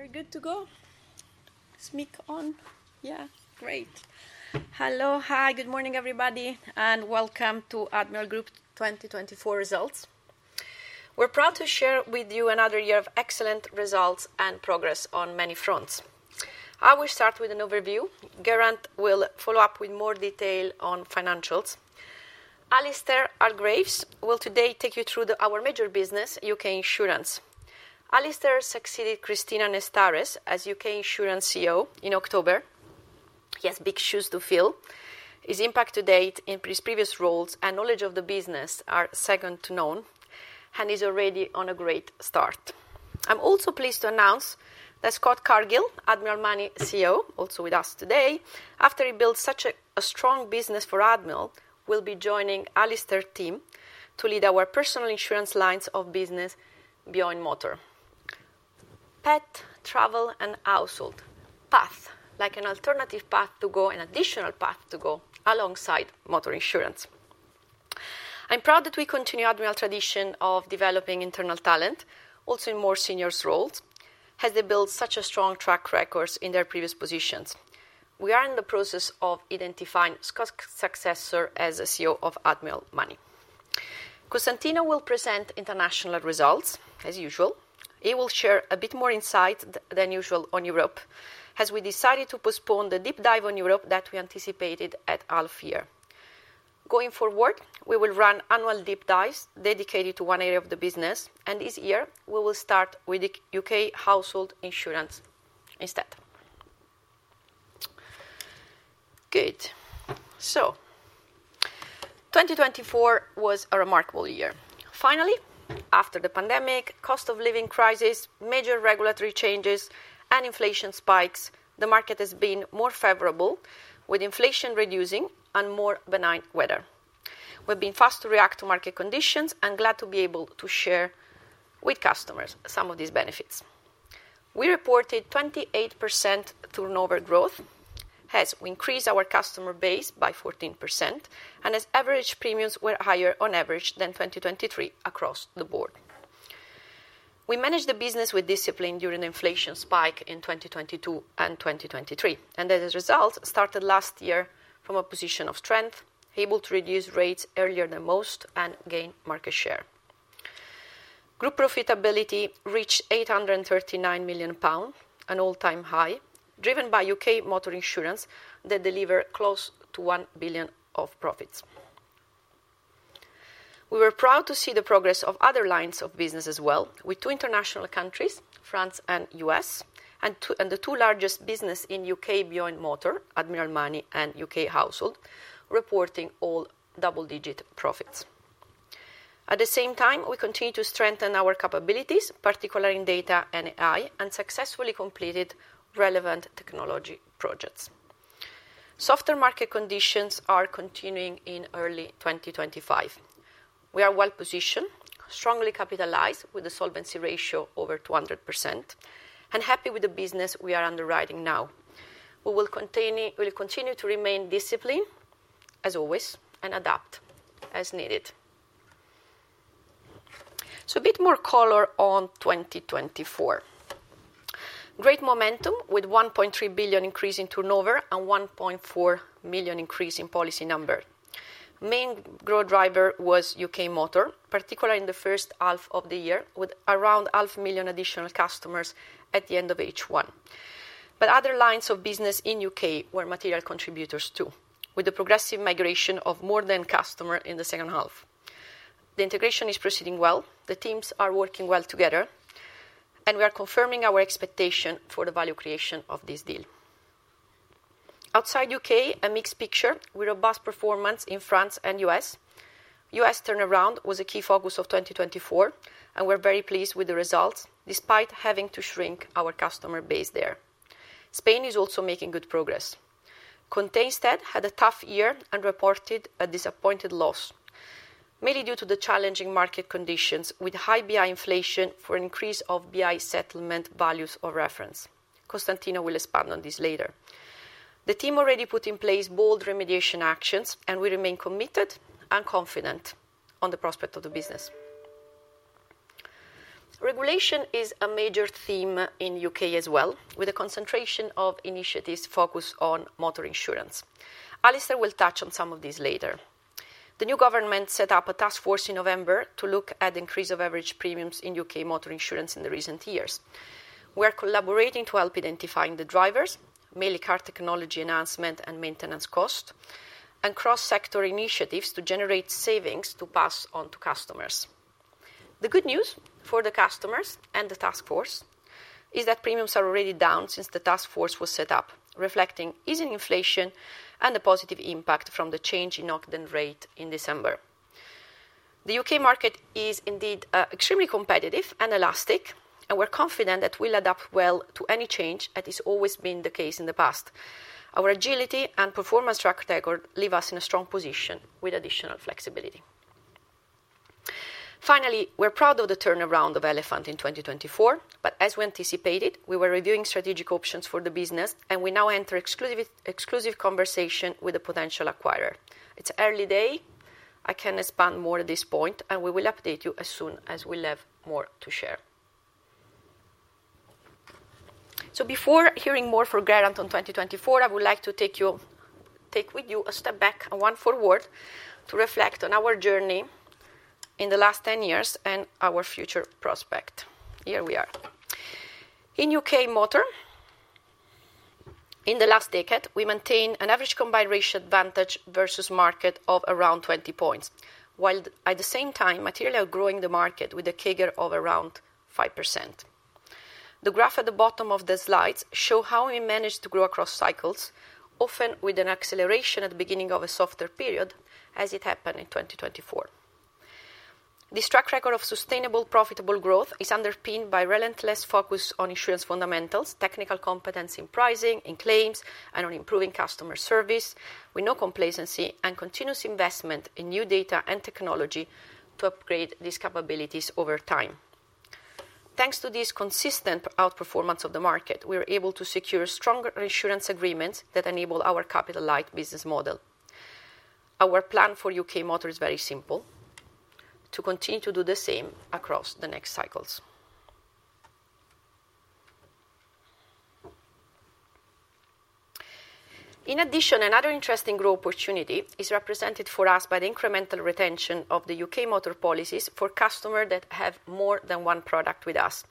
We're good to go. Mic on. Yeah, great. Hello, hi, good morning, everybody, and welcome to Admiral Group 2024 results. We're proud to share with you another year of excellent results and progress on many fronts. I will start with an overview. Geraint will follow up with more detail on financials. Alistair Hargreaves will today take you through our major business, UK Insurance. Alistair succeeded Cristina Nestares as UK Insurance CEO in October. He has big shoes to fill. His impact to date in his previous roles and knowledge of the business are second to none, and he's already on a great start. I'm also pleased to announce that Scott Cargill, Admiral Money CEO, also with us today, after he built such a strong business for Admiral, will be joining Alistair's team to lead our personal insurance lines of business, Beyond Motor. Pet, Travel, and Household. PATH, like an alternative path to go, an additional path to go alongside motor insurance. I'm proud that we continue Admiral's tradition of developing internal talent, also in more senior roles, as they build such a strong track record in their previous positions. We are in the process of identifying Scott's successor as CEO of Admiral Money. Costantino will present international results, as usual. He will share a bit more insight than usual on Europe, as we decided to postpone the deep dive on Europe that we anticipated at half-year. Going forward, we will run annual deep dives dedicated to one area of the business, and this year, we will start with UK Household Insurance instead. Good. So, 2024 was a remarkable year. Finally, after the pandemic, cost of living crisis, major regulatory changes, and inflation spikes, the market has been more favorable, with inflation reducing and more benign weather. We've been fast to react to market conditions and glad to be able to share with customers some of these benefits. We reported 28% turnover growth, as we increased our customer base by 14%, and as average premiums were higher on average than 2023 across the board. We managed the business with discipline during the inflation spike in 2022 and 2023, and as a result, started last year from a position of strength, able to reduce rates earlier than most and gain market share. Group profitability reached 839 million pounds, an all-time high, driven by UK Motor insurance that delivers close to 1 billion of profits. We were proud to see the progress of other lines of business as well, with two international countries, France and the U.S., and the two largest businesses in U.K. beyond Motor: Admiral Money and UK Household, reporting all double-digit profits. At the same time, we continue to strengthen our capabilities, particularly in data and AI, and successfully completed relevant technology projects. Softer market conditions are continuing in early 2025. We are well-positioned, strongly capitalized with a solvency ratio over 200%, and happy with the business we are underwriting now. We will continue to remain disciplined, as always, and adapt as needed. So a bit more color on 2024. Great momentum with a 1.3 billion increase in turnover and 1.4 million increase in policy number. Main growth driver was UK Motor, particularly in the first half of the year, with around 500,000 additional customers at the end of H1, but other lines of business in U.K. were material contributors too, with the progressive migration of More Than customers in the second half. The integration is proceeding well. The teams are working well together, and we are confirming our expectation for the value creation of this deal. Outside the U.K., a mixed picture with robust performance in France and the U.S. The U.S. turnaround was a key focus of 2024, and we're very pleased with the results, despite having to shrink our customer base there. Spain is also making good progress. ConTe instead had a tough year and reported a disappointing loss, mainly due to the challenging market conditions with high BI inflation from an increase in BI settlement values of reference. Costantino will expand on this later. The team already put in place bold remediation actions, and we remain committed and confident on the prospect of the business. Regulation is a major theme in the U.K. as well, with a concentration of initiatives focused on motor insurance. Alistair will touch on some of these later. The new government set up a task force in November to look at the increase of average premiums in UK Motor insurance in recent years. We are collaborating to help identify the drivers, mainly car technology enhancement and maintenance cost, and cross-sector initiatives to generate savings to pass on to customers. The good news for the customers and the task force is that premiums are already down since the task force was set up, reflecting easing inflation and the positive impact from the change in Ogden rate in December. The U.K. market is indeed extremely competitive and elastic, and we're confident that we'll adapt well to any change, as has always been the case in the past. Our agility and performance track record leave us in a strong position with additional flexibility. Finally, we're proud of the turnaround of Elephant in 2024, but as we anticipated, we were reviewing strategic options for the business, and we now enter exclusive conversation with a potential acquirer. It's an early day. I can expand more at this point, and we will update you as soon as we have more to share. Before hearing more from Geraint on 2024, I would like to take you with you a step back and one forward to reflect on our journey in the last 10 years and our future prospect. Here we are. In UK Motor, in the last decade, we maintain an average combined ratio advantage versus market of around 20 points, while at the same time, materially growing the market with a CAGR of around 5%. The graph at the bottom of the slides shows how we managed to grow across cycles, often with an acceleration at the beginning of a softer period, as it happened in 2024. This track record of sustainable profitable growth is underpinned by relentless focus on insurance fundamentals, technical competence in pricing, in claims, and on improving customer service with no complacency and continuous investment in new data and technology to upgrade these capabilities over time. Thanks to this consistent outperformance of the market, we were able to secure stronger insurance agreements that enable our capital-light business model. Our plan for UK Motor is very simple: to continue to do the same across the next cycles. In addition, another interesting growth opportunity is represented for us by the incremental retention of the UK Motor policies for customers that have more than one product with us.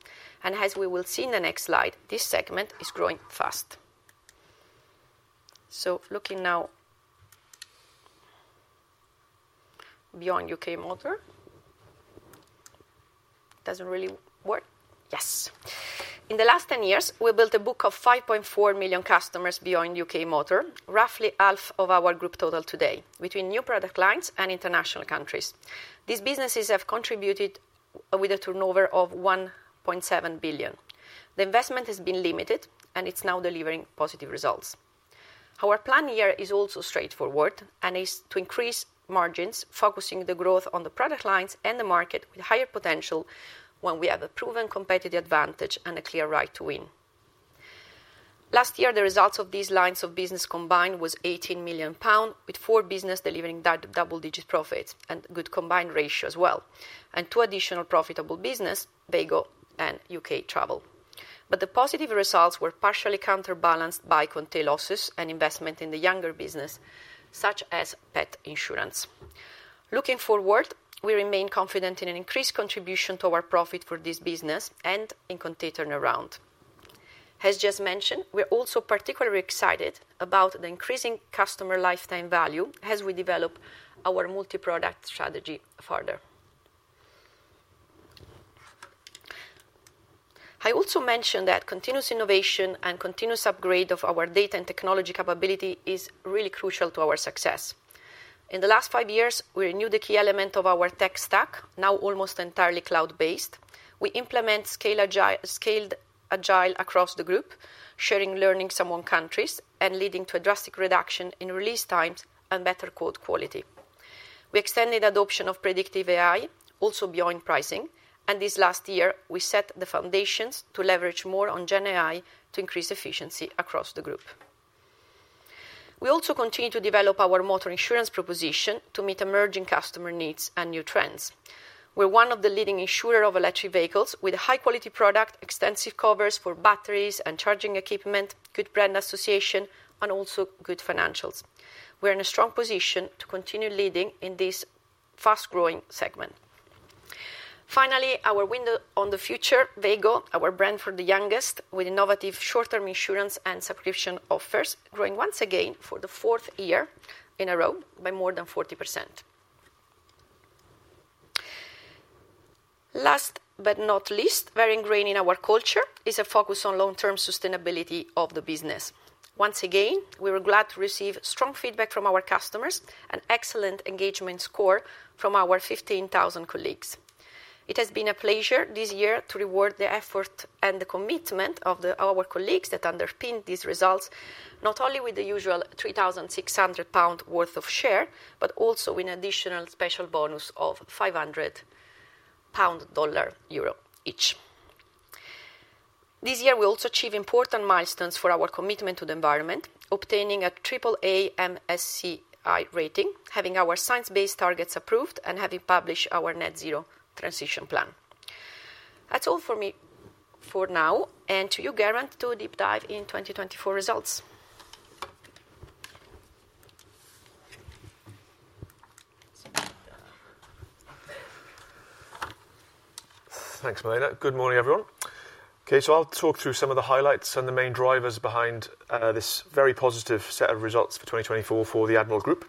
As we will see in the next slide, this segment is growing fast. Looking now beyond UK Motor. Does it really work? Yes. In the last 10 years, we built a book of 5.4 million customers beyond UK Motor, roughly half of our group total today, between new product lines and international countries. These businesses have contributed with a turnover of 1.7 billion. The investment has been limited, and it's now delivering positive results. Our plan here is also straightforward, and it's to increase margins, focusing the growth on the product lines and the market with higher potential when we have a proven competitive advantage and a clear right to win. Last year, the results of these lines of business combined were 18 million pounds, with four businesses delivering double-digit profits and good combined ratio as well, and two additional profitable businesses, Veygo and UK Travel. But the positive results were partially counterbalanced by ConTe losses and investment in the younger business, such as pet insurance. Looking forward, we remain confident in an increased contribution to our profit for this business and in ConTe turnaround. As just mentioned, we're also particularly excited about the increasing customer lifetime value as we develop our multi-product strategy further. I also mentioned that continuous innovation and continuous upgrade of our data and technology capability is really crucial to our success. In the last five years, we renewed the key element of our tech stack, now almost entirely cloud-based. We implemented Scaled Agile across the group, sharing learnings among countries and leading to a drastic reduction in release times and better code quality. We extended adoption of predictive AI, also beyond pricing. And this last year, we set the foundations to leverage more on GenAI to increase efficiency across the group. We also continue to develop our motor insurance proposition to meet emerging customer needs and new trends. We're one of the leading insurers of electric vehicles with high-quality products, extensive covers for batteries and charging equipment, good brand association, and also good financials. We're in a strong position to continue leading in this fast-growing segment. Finally, our window on the future, Veygo, our brand for the youngest, with innovative short-term insurance and subscription offers, growing once again for the fourth year in a row by more than 40%. Last but not least, very ingrained in our culture is a focus on long-term sustainability of the business. Once again, we were glad to receive strong feedback from our customers and excellent engagement score from our 15,000 colleagues. It has been a pleasure this year to reward the effort and the commitment of our colleagues that underpinned these results, not only with the usual 3,600 pounds worth of share, but also with an additional special bonus of 500-pound, dollar, euro each. This year, we also achieved important milestones for our commitment to the environment, obtaining a AAA MSCI rating, having our science-based targets approved, and having published our net-zero transition plan. That's all for me for now, and to you, Geraint, to deep dive in 2024 results. Thanks, Milena. Good morning, everyone. Okay, so I'll talk through some of the highlights and the main drivers behind this very positive set of results for 2024 for the Admiral Group.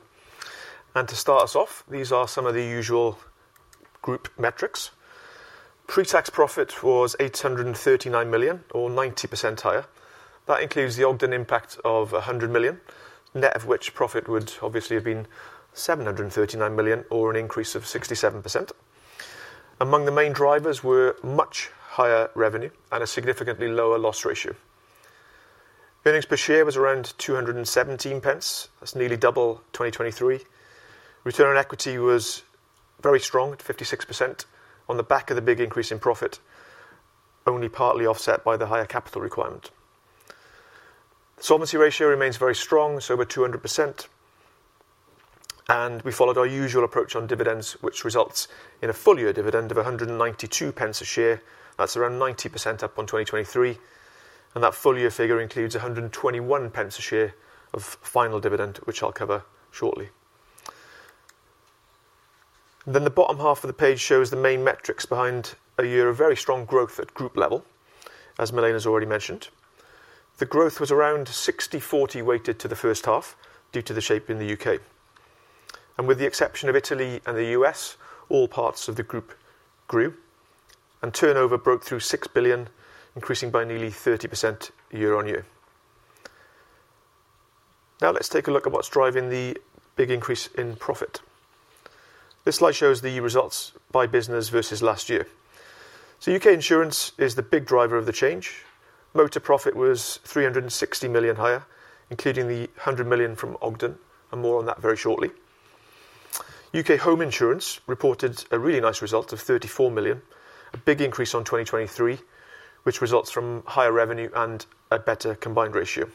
And to start us off, these are some of the usual group metrics. Pre-tax profit was 839 million, or 90% higher. That includes the Ogden impact of 100 million, net of which profit would obviously have been 739 million, or an increase of 67%. Among the main drivers were much higher revenue and a significantly lower loss ratio. Earnings per share was around 2.17. That's nearly double 2023. Return on equity was very strong, at 56%, on the back of the big increase in profit, only partly offset by the higher capital requirement. Solvency ratio remains very strong, so about 200%. And we followed our usual approach on dividends, which results in a full-year dividend of 1.92 a share. That's around 90% up on 2023. And that full-year figure includes 1.21 a share of final dividend, which I'll cover shortly. Then the bottom half of the page shows the main metrics behind a year of very strong growth at group level, as Milena has already mentioned. The growth was around 60:40 weighted to the first half due to the shape in the U.K. And with the exception of Italy and the U.S., all parts of the group grew, and turnover broke through 6 billion, increasing by nearly 30% year-on-year. Now, let's take a look at what's driving the big increase in profit. This slide shows the results by business versus last year. So, UK Insurance is the big driver of the change. Motor profit was 360 million higher, including the 100 million from Ogden, and more on that very shortly. UK Home Insurance reported a really nice result of 34 million, a big increase on 2023, which results from higher revenue and a better combined ratio.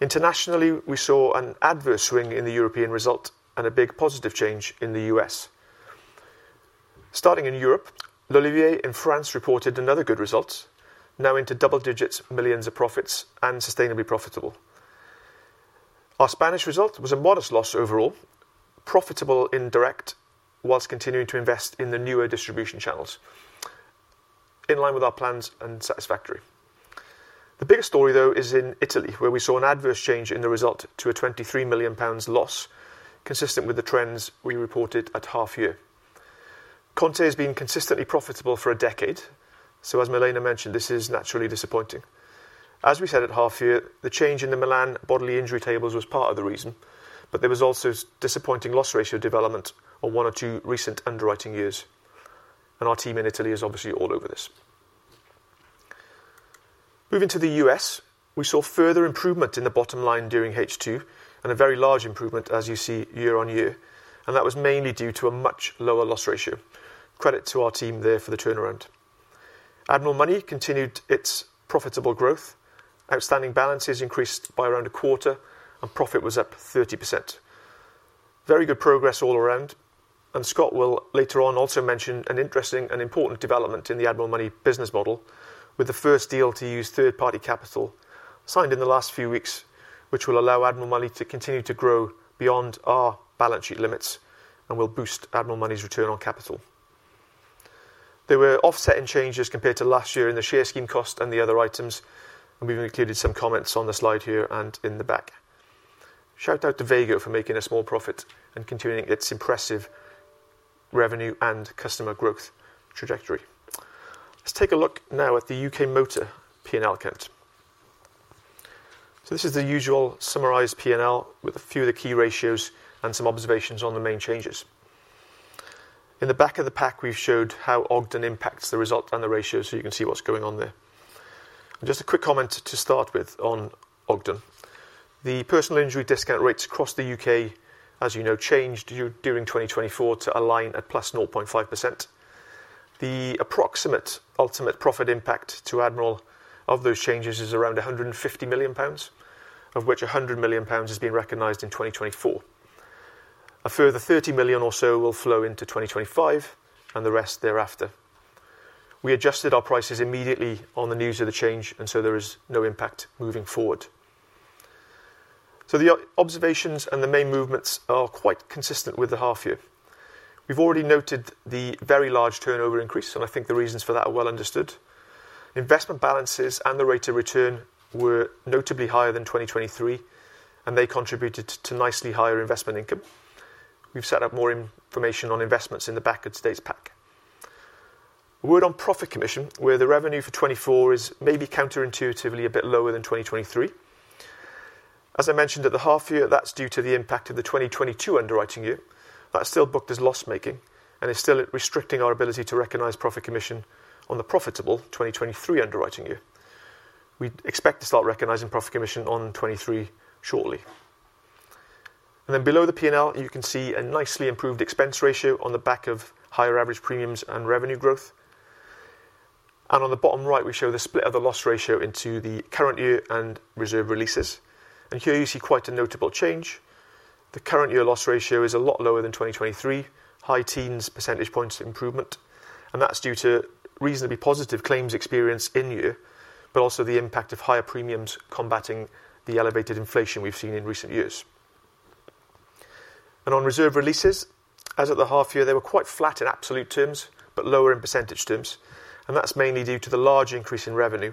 Internationally, we saw an adverse swing in the European result and a big positive change in the U.S. Starting in Europe, L'olivier in France reported another good result, now into double digits, millions of profits, and sustainably profitable. Our Spanish result was a modest loss overall, profitable indirect, while continuing to invest in the newer distribution channels, in line with our plans and satisfactory. The bigger story, though, is in Italy, where we saw an adverse change in the result to a 23 million pounds loss, consistent with the trends we reported at half-year. ConTe has been consistently profitable for a decade, so as Milena mentioned, this is naturally disappointing. As we said at half-year, the change in the Milan bodily injury tables was part of the reason, but there was also a disappointing loss-ratio development on one or two recent underwriting years. Our team in Italy is obviously all over this. Moving to the U.S., we saw further improvement in the bottom line during H2 and a very large improvement, as you see, year-on-year. And that was mainly due to a much lower loss ratio. Credit to our team there for the turnaround. Admiral Money continued its profitable growth. Outstanding balances increased by around a quarter, and profit was up 30%. Very good progress all around. And Scott will later on also mention an interesting and important development in the Admiral Money business model, with the first deal to use third-party capital signed in the last few weeks, which will allow Admiral Money to continue to grow beyond our balance sheet limits and will boost Admiral Money's return on capital. There were offsetting changes compared to last year in the share scheme cost and the other items, and we've included some comments on the slide here and in the back. Shout out to Veygo for making a small profit and continuing its impressive revenue and customer growth trajectory. Let's take a look now at the UK Motor P&L account. So, this is the usual summarized P&L with a few of the key ratios and some observations on the main changes. In the back of the pack, we've showed how Ogden impacts the result and the ratio, so you can see what's going on there. And just a quick comment to start with on Ogden. The personal injury discount rates across the U.K., as you know, changed during 2024 to align at +0.5%. The approximate ultimate profit impact to Admiral of those changes is around 150 million pounds, of which 100 million pounds has been recognized in 2024. A further 30 million or so will flow into 2025 and the rest thereafter. We adjusted our prices immediately on the news of the change, and so there is no impact moving forward. So the observations and the main movements are quite consistent with the half-year. We've already noted the very large turnover increase, and I think the reasons for that are well understood. Investment balances and the rate of return were notably higher than 2023, and they contributed to nicely higher investment income. We've set up more information on investments in the back of today's pack. A word on profit commission, where the revenue for 2024 is maybe counterintuitively a bit lower than 2023. As I mentioned at the half-year, that's due to the impact of the 2022 underwriting year. That's still booked as loss-making, and it's still restricting our ability to recognize profit commission on the profitable 2023 underwriting year. We expect to start recognizing profit commission on 2023 shortly. And then below the P&L, you can see a nicely improved expense ratio on the back of higher average premiums and revenue growth. And on the bottom right, we show the split of the loss ratio into the current year and reserve releases. And here you see quite a notable change. The current year loss ratio is a lot lower than 2023, high-teens percentage points improvement. And that's due to reasonably positive claims experience in year, but also the impact of higher premiums combating the elevated inflation we've seen in recent years. On reserve releases, as at the half-year, they were quite flat in absolute terms, but lower in percentage terms. That's mainly due to the large increase in revenue,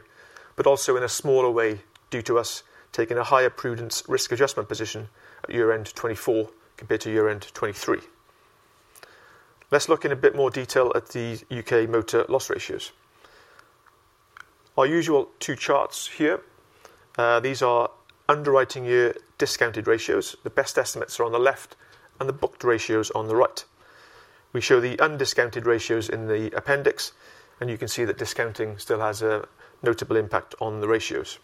but also in a smaller way due to us taking a higher prudence risk adjustment position at year-end 2024 compared to year-end 2023. Let's look in a bit more detail at the UK Motor loss ratios. Our usual two charts here. These are underwriting year discounted ratios. The best estimates are on the left, and the booked ratios on the right. We show the undiscounted ratios in the appendix, and you can see that discounting still has a notable impact on the ratios.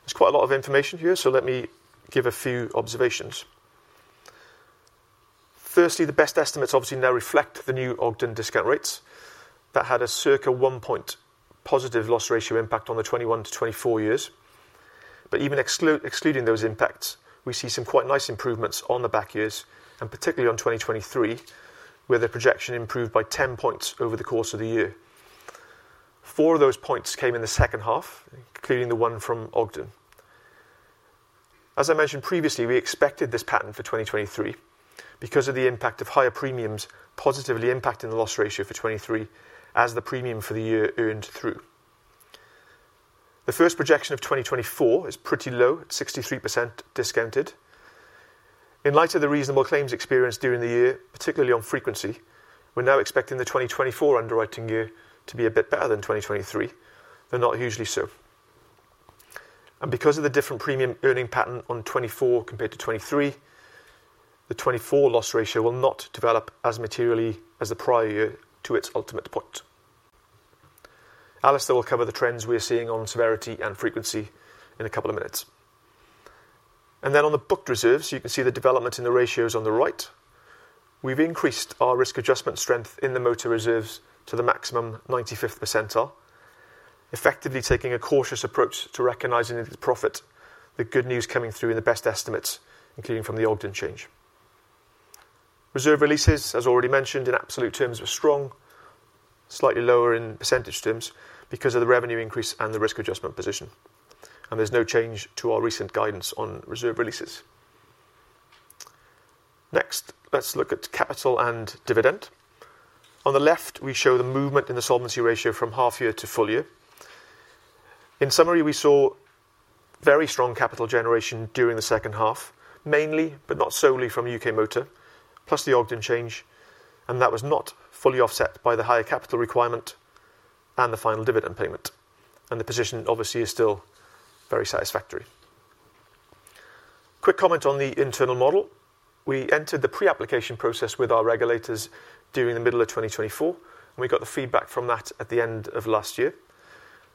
There's quite a lot of information here, so let me give a few observations. Firstly, the best estimates obviously now reflect the new Ogden discount rates. That had a circa one-point positive loss ratio impact on the 2021 to 2024 years. But even excluding those impacts, we see some quite nice improvements on the back years, and particularly on 2023, where the projection improved by 10 points over the course of the year. Four of those points came in the second half, including the one from Ogden. As I mentioned previously, we expected this pattern for 2023 because of the impact of higher premiums positively impacting the loss ratio for 2023 as the premium for the year earned through. The first projection of 2024 is pretty low, at 63% discounted. In light of the reasonable claims experience during the year, particularly on frequency, we're now expecting the 2024 underwriting year to be a bit better than 2023, though not hugely so. And because of the different premium earning pattern on 2024 compared to 2023, the 2024 loss ratio will not develop as materially as the prior year to its ultimate point. Alistair will cover the trends we're seeing on severity and frequency in a couple of minutes. And then on the booked reserves, you can see the development in the ratios on the right. We've increased our risk adjustment strength in the motor reserves to the maximum 95th percentile, effectively taking a cautious approach to recognizing the profit, the good news coming through in the best estimates, including from the Ogden change. Reserve releases, as already mentioned, in absolute terms were strong, slightly lower in percentage terms because of the revenue increase and the risk adjustment position. And there's no change to our recent guidance on reserve releases. Next, let's look at capital and dividend. On the left, we show the movement in the solvency ratio from half-year to full-year. In summary, we saw very strong capital generation during the second half, mainly, but not solely from UK Motor, plus the Ogden change, and that was not fully offset by the higher capital requirement and the final dividend payment, and the position obviously is still very satisfactory. Quick comment on the internal model. We entered the pre-application process with our regulators during the middle of 2024, and we got the feedback from that at the end of last year.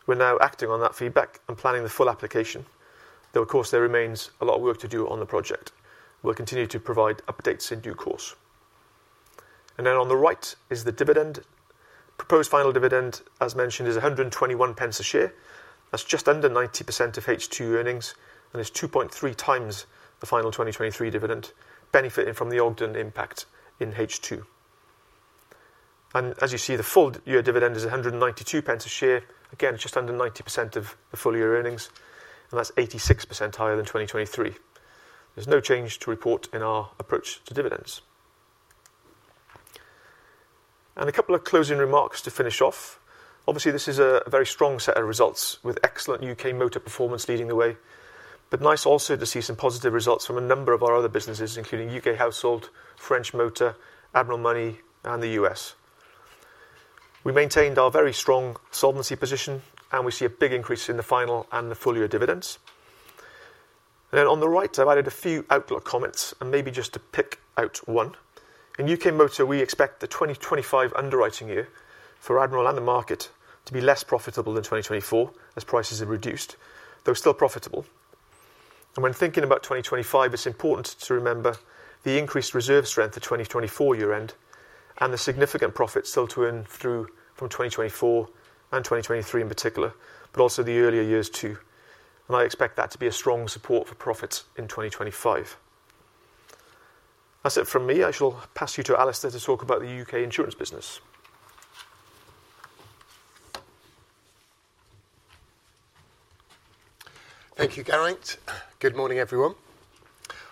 We're now acting on that feedback and planning the full application. Though, of course, there remains a lot of work to do on the project. We'll continue to provide updates in due course. And then on the right is the dividend. Proposed final dividend, as mentioned, is 1.21 a share. That's just under 90% of H2 earnings, and it's 2.3x the final 2023 dividend, benefiting from the Ogden impact in H2. And as you see, the full-year dividend is 1.92 a share, again, just under 90% of the full-year earnings, and that's 86% higher than 2023. There's no change to report in our approach to dividends. And a couple of closing remarks to finish off. Obviously, this is a very strong set of results with excellent UK Motor performance leading the way, but nice also to see some positive results from a number of our other businesses, including UK Household, French Motor, Admiral Money, and the U.S. We maintained our very strong solvency position, and we see a big increase in the final and the full-year dividends. And then on the right, I've added a few outlook comments, and maybe just to pick out one. In UK Motor, we expect the 2025 underwriting year for Admiral and the market to be less profitable than 2024, as prices have reduced, though still profitable. And when thinking about 2025, it's important to remember the increased reserve strength at 2024 year-end and the significant profit still to earn through from 2024 and 2023 in particular, but also the earlier years too, and I expect that to be a strong support for profits in 2025. That's it from me. I shall pass you to Alistair to talk about the UK Insurance business. Thank you, Geraint. Good morning, everyone.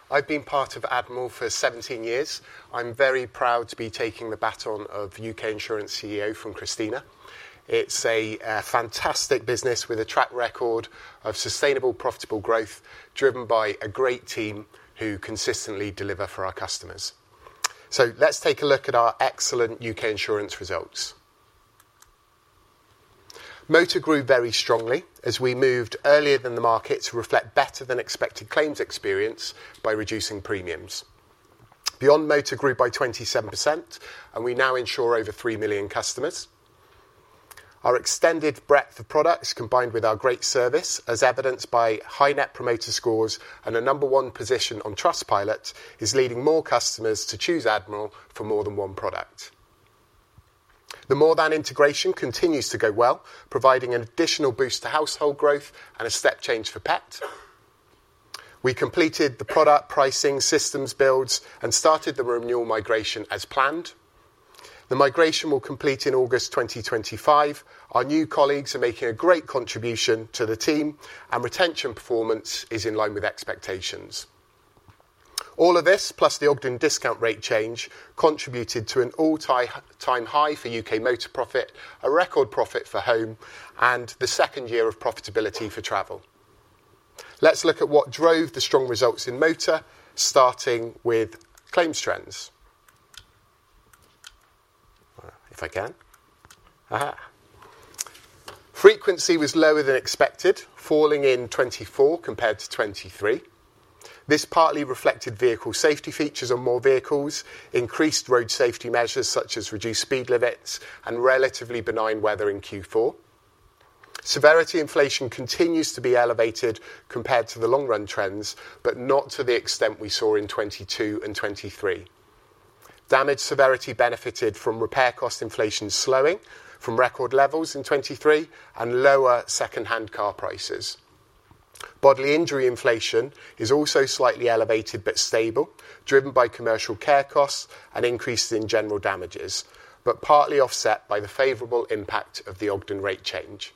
I've been part of Admiral for 17 years. I'm very proud to be taking the baton of UK Insurance CEO from Cristina. It's a fantastic business with a track record of sustainable, profitable growth driven by a great team who consistently deliver for our customers. Let's take a look at our excellent UK Insurance results. Motor grew very strongly as we moved earlier than the market to reflect better than expected claims experience by reducing premiums. Beyond Motor grew by 27%, and we now insure over 3 million customers. Our extended breadth of products, combined with our great service, as evidenced by high Net Promoter Scores and a number one position on Trustpilot, is leading more customers to choose Admiral for more than one product. The More Than integration continues to go well, providing an additional boost to household growth and a step change for Pet. We completed the product pricing systems builds and started the renewal migration as planned. The migration will complete in August 2025. Our new colleagues are making a great contribution to the team, and retention performance is in line with expectations. All of this, plus the Ogden discount rate change, contributed to an all-time high for UK Motor profit, a record profit for Home, and the second year of profitability for Travel. Let's look at what drove the strong results in Motor, starting with claims trends. If I can. Frequency was lower than expected, falling in 2024 compared to 2023. This partly reflected vehicle safety features on more vehicles, increased road safety measures such as reduced speed limits and relatively benign weather in Q4. Severity inflation continues to be elevated compared to the long-run trends, but not to the extent we saw in 2022 and 2023. Damage severity benefited from repair cost inflation slowing from record levels in 2023 and lower second-hand car prices. Bodily injury inflation is also slightly elevated but stable, driven by commercial care costs and increases in general damages, but partly offset by the favorable impact of the Ogden rate change.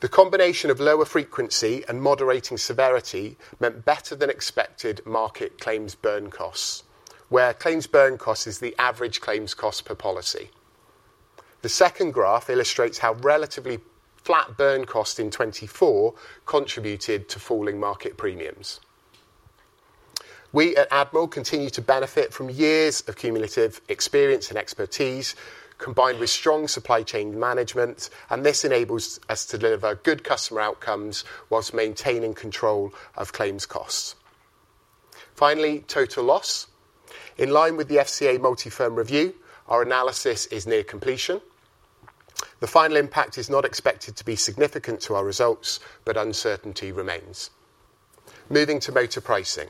The combination of lower frequency and moderating severity meant better than expected market claims burn costs, where claims burn cost is the average claims cost per policy. The second graph illustrates how relatively flat burn cost in 2024 contributed to falling market premiums. We at Admiral continue to benefit from years of cumulative experience and expertise, combined with strong supply chain management, and this enables us to deliver good customer outcomes whilst maintaining control of claims costs. Finally, total loss. In line with the FCA multi-firm review, our analysis is near completion. The final impact is not expected to be significant to our results, but uncertainty remains. Moving to Motor pricing.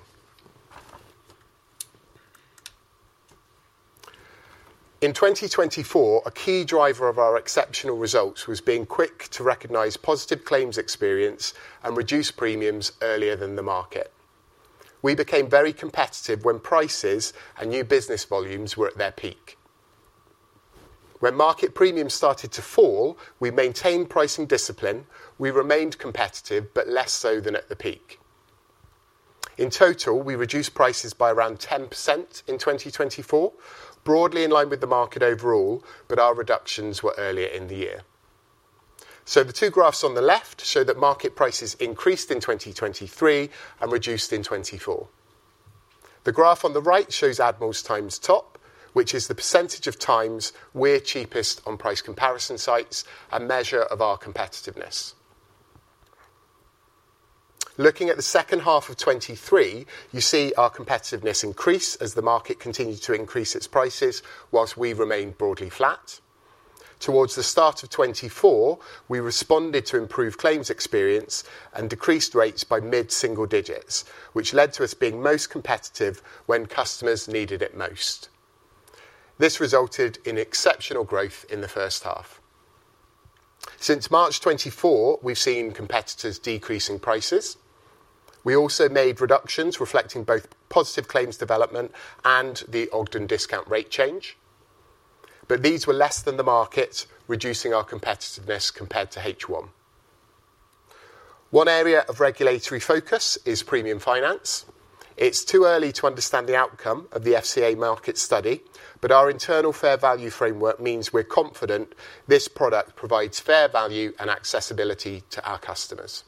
In 2024, a key driver of our exceptional results was being quick to recognize positive claims experience and reduce premiums earlier than the market. We became very competitive when prices and new business volumes were at their peak. When market premiums started to fall, we maintained pricing discipline. We remained competitive, but less so than at the peak. In total, we reduced prices by around 10% in 2024, broadly in line with the market overall, but our reductions were earlier in the year. So the two graphs on the left show that market prices increased in 2023 and reduced in 2024. The graph on the right shows Admiral's Times Top, which is the percentage of times we're cheapest on price comparison sites and measure of our competitiveness. Looking at the second half of 2023, you see our competitiveness increase as the market continued to increase its prices whilst we remained broadly flat. Towards the start of 2024, we responded to improved claims experience and decreased rates by mid-single digits, which led to us being most competitive when customers needed it most. This resulted in exceptional growth in the first half. Since March 2024, we've seen competitors decreasing prices. We also made reductions reflecting both positive claims development and the Ogden discount rate change. But these were less than the market, reducing our competitiveness compared to H1. One area of regulatory focus is premium finance. It's too early to understand the outcome of the FCA market study, but our internal fair value framework means we're confident this product provides fair value and accessibility to our customers.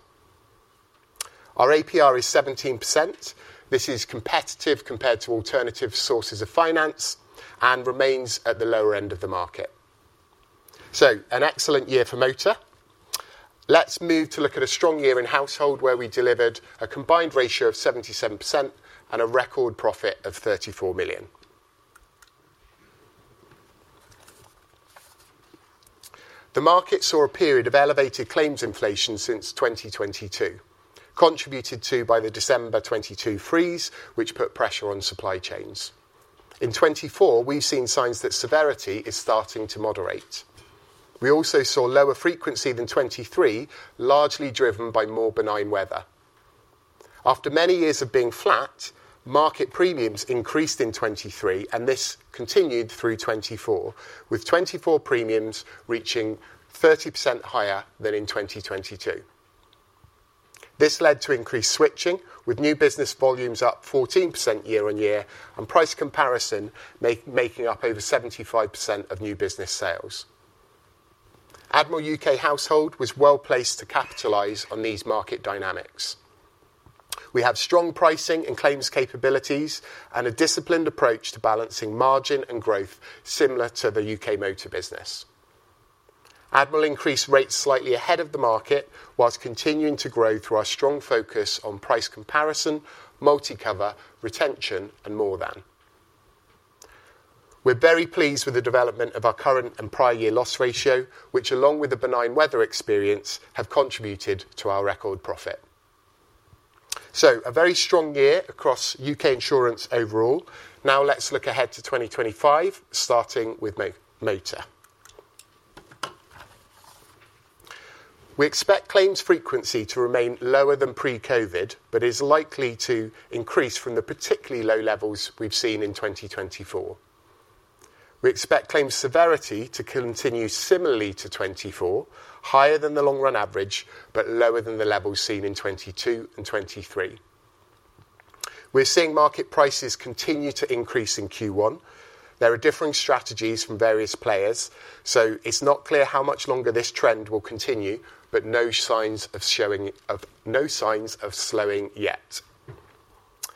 Our APR is 17%. This is competitive compared to alternative sources of finance and remains at the lower end of the market. So an excellent year for Motor. Let's move to look at a strong year in Household where we delivered a combined ratio of 77% and a record profit of 34 million. The market saw a period of elevated claims inflation since 2022, contributed to by the December 2022 freeze, which put pressure on supply chains. In 2024, we've seen signs that severity is starting to moderate. We also saw lower frequency than 2023, largely driven by more benign weather. After many years of being flat, market premiums increased in 2023, and this continued through 2024, with 2024 premiums reaching 30% higher than in 2022. This led to increased switching, with new business volumes up 14% year-on-year and price comparison making up over 75% of new business sales. Admiral UK Household was well placed to capitalize on these market dynamics. We have strong pricing and claims capabilities and a disciplined approach to balancing margin and growth similar to the UK Motor business. Admiral increased rates slightly ahead of the market while continuing to grow through our strong focus on price comparison, MultiCover, retention, and More Than. We're very pleased with the development of our current and prior year loss ratio, which, along with the benign weather experience, have contributed to our record profit. So a very strong year across UK Insurance overall. Now let's look ahead to 2025, starting with Motor. We expect claims frequency to remain lower than pre-COVID but is likely to increase from the particularly low levels we've seen in 2024. We expect claims severity to continue similarly to 2024, higher than the long-run average, but lower than the levels seen in 2022 and 2023. We're seeing market prices continue to increase in Q1. There are differing strategies from various players, so it's not clear how much longer this trend will continue, but no signs of slowing yet.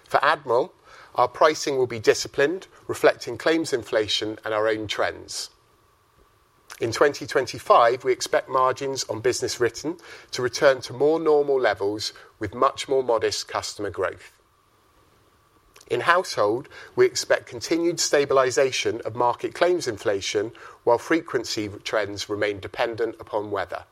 For Admiral, our pricing will be disciplined, reflecting claims inflation and our own trends. In 2025, we expect margins on business written to return to more normal levels with much more modest customer growth. In Household, we expect continued stabilization of market claims inflation while frequency trends remain dependent upon weather.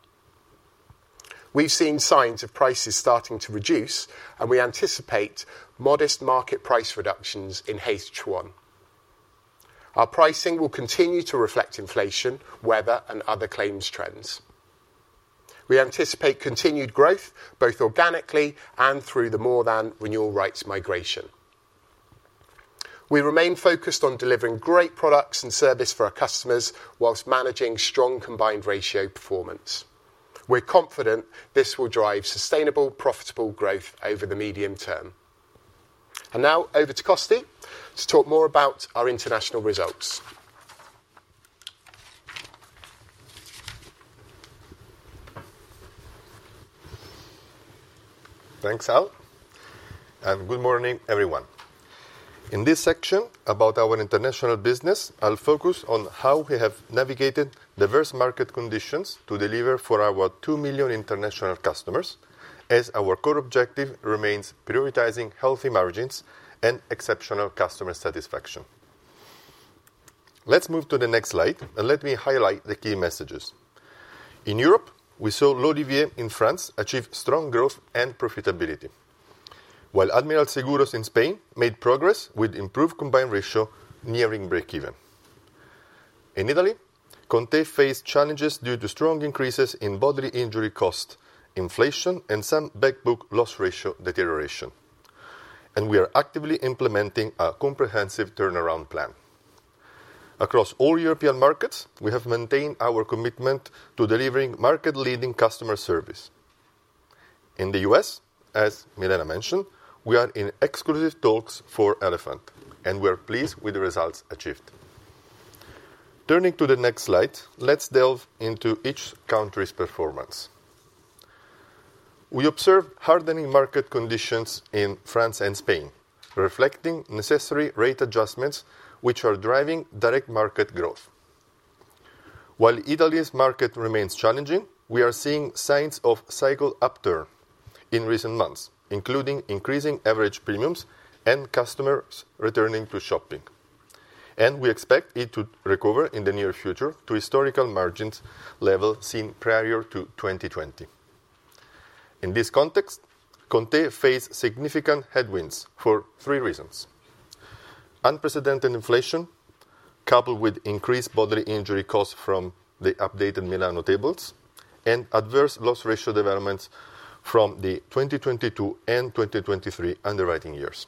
We've seen signs of prices starting to reduce, and we anticipate modest market price reductions in H1. Our pricing will continue to reflect inflation, weather, and other claims trends. We anticipate continued growth both organically and through the More Than renewal rights migration. We remain focused on delivering great products and service for our customers whilst managing strong combined ratio performance. We're confident this will drive sustainable, profitable growth over the medium-term. Now over to Costy to talk more about our international results. Thanks, Al. Good morning, everyone. In this section about our international business, I'll focus on how we have navigated diverse market conditions to deliver for our two million international customers as our core objective remains prioritizing healthy margins and exceptional customer satisfaction. Let's move to the next slide, and let me highlight the key messages. In Europe, we saw L'olivier in France achieve strong growth and profitability, while Admiral Seguros in Spain made progress with improved combined ratio nearing breakeven. In Italy, ConTe faced challenges due to strong increases in bodily injury cost, inflation, and some back book loss-ratio deterioration, and we are actively implementing a comprehensive turnaround plan. Across all European markets, we have maintained our commitment to delivering market-leading customer service. In the U.S., as Milena mentioned, we are in exclusive talks for Elephant, and we are pleased with the results achieved. Turning to the next slide, let's delve into each country's performance. We observed hardening market conditions in France and Spain, reflecting necessary rate adjustments, which are driving direct market growth. While Italy's market remains challenging, we are seeing signs of cycle upturn in recent months, including increasing average premiums and customers returning to shopping, and we expect it to recover in the near future to historical margins levels seen prior to 2020. In this context, ConTe faced significant headwinds for three reasons: unprecedented inflation, coupled with increased bodily injury costs from the updated Milan tables, and adverse loss-ratio developments from the 2022 and 2023 underwriting years.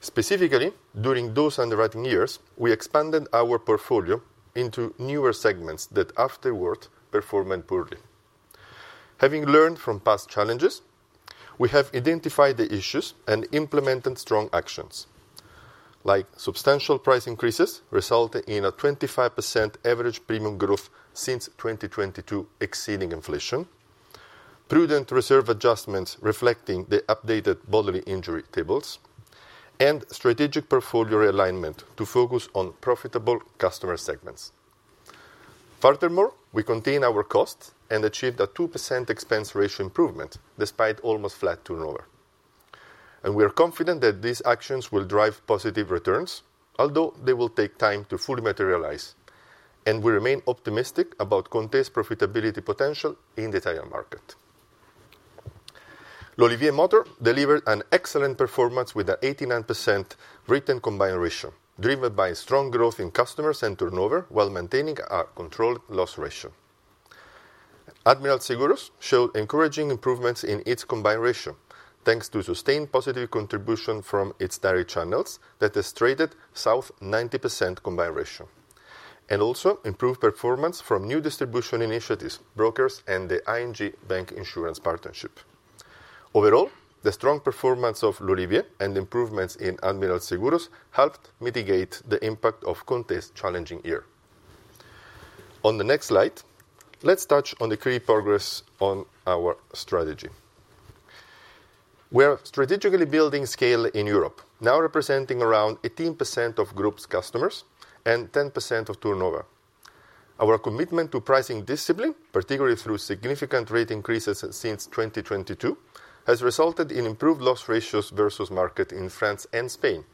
Specifically, during those underwriting years, we expanded our portfolio into newer segments that afterward performed poorly. Having learned from past challenges, we have identified the issues and implemented strong actions, like substantial price increases resulting in a 25% average premium growth since 2022, exceeding inflation, prudent reserve adjustments reflecting the updated bodily injury tables, and strategic portfolio realignment to focus on profitable customer segments. Furthermore, we contained our costs and achieved a 2% expense ratio improvement despite almost flat turnover. And we are confident that these actions will drive positive returns, although they will take time to fully materialize, and we remain optimistic about ConTe's profitability potential in the Italian market. L'olivier Motor delivered an excellent performance with an 89% written combined ratio, driven by strong growth in customers and turnover while maintaining a controlled loss ratio. Admiral Seguros showed encouraging improvements in its combined ratio, thanks to sustained positive contribution from its direct channels that has traded south 90% combined ratio, and also improved performance from new distribution initiatives, brokers, and the ING Bank insurance partnership. Overall, the strong performance of L'olivier and improvements in Admiral Seguros helped mitigate the impact of ConTe's challenging year. On the next slide, let's touch on the key progress on our strategy. We are strategically building scale in Europe, now representing around 18% of group's customers and 10% of turnover. Our commitment to pricing discipline, particularly through significant rate increases since 2022, has resulted in improved loss ratios versus market in France and Spain.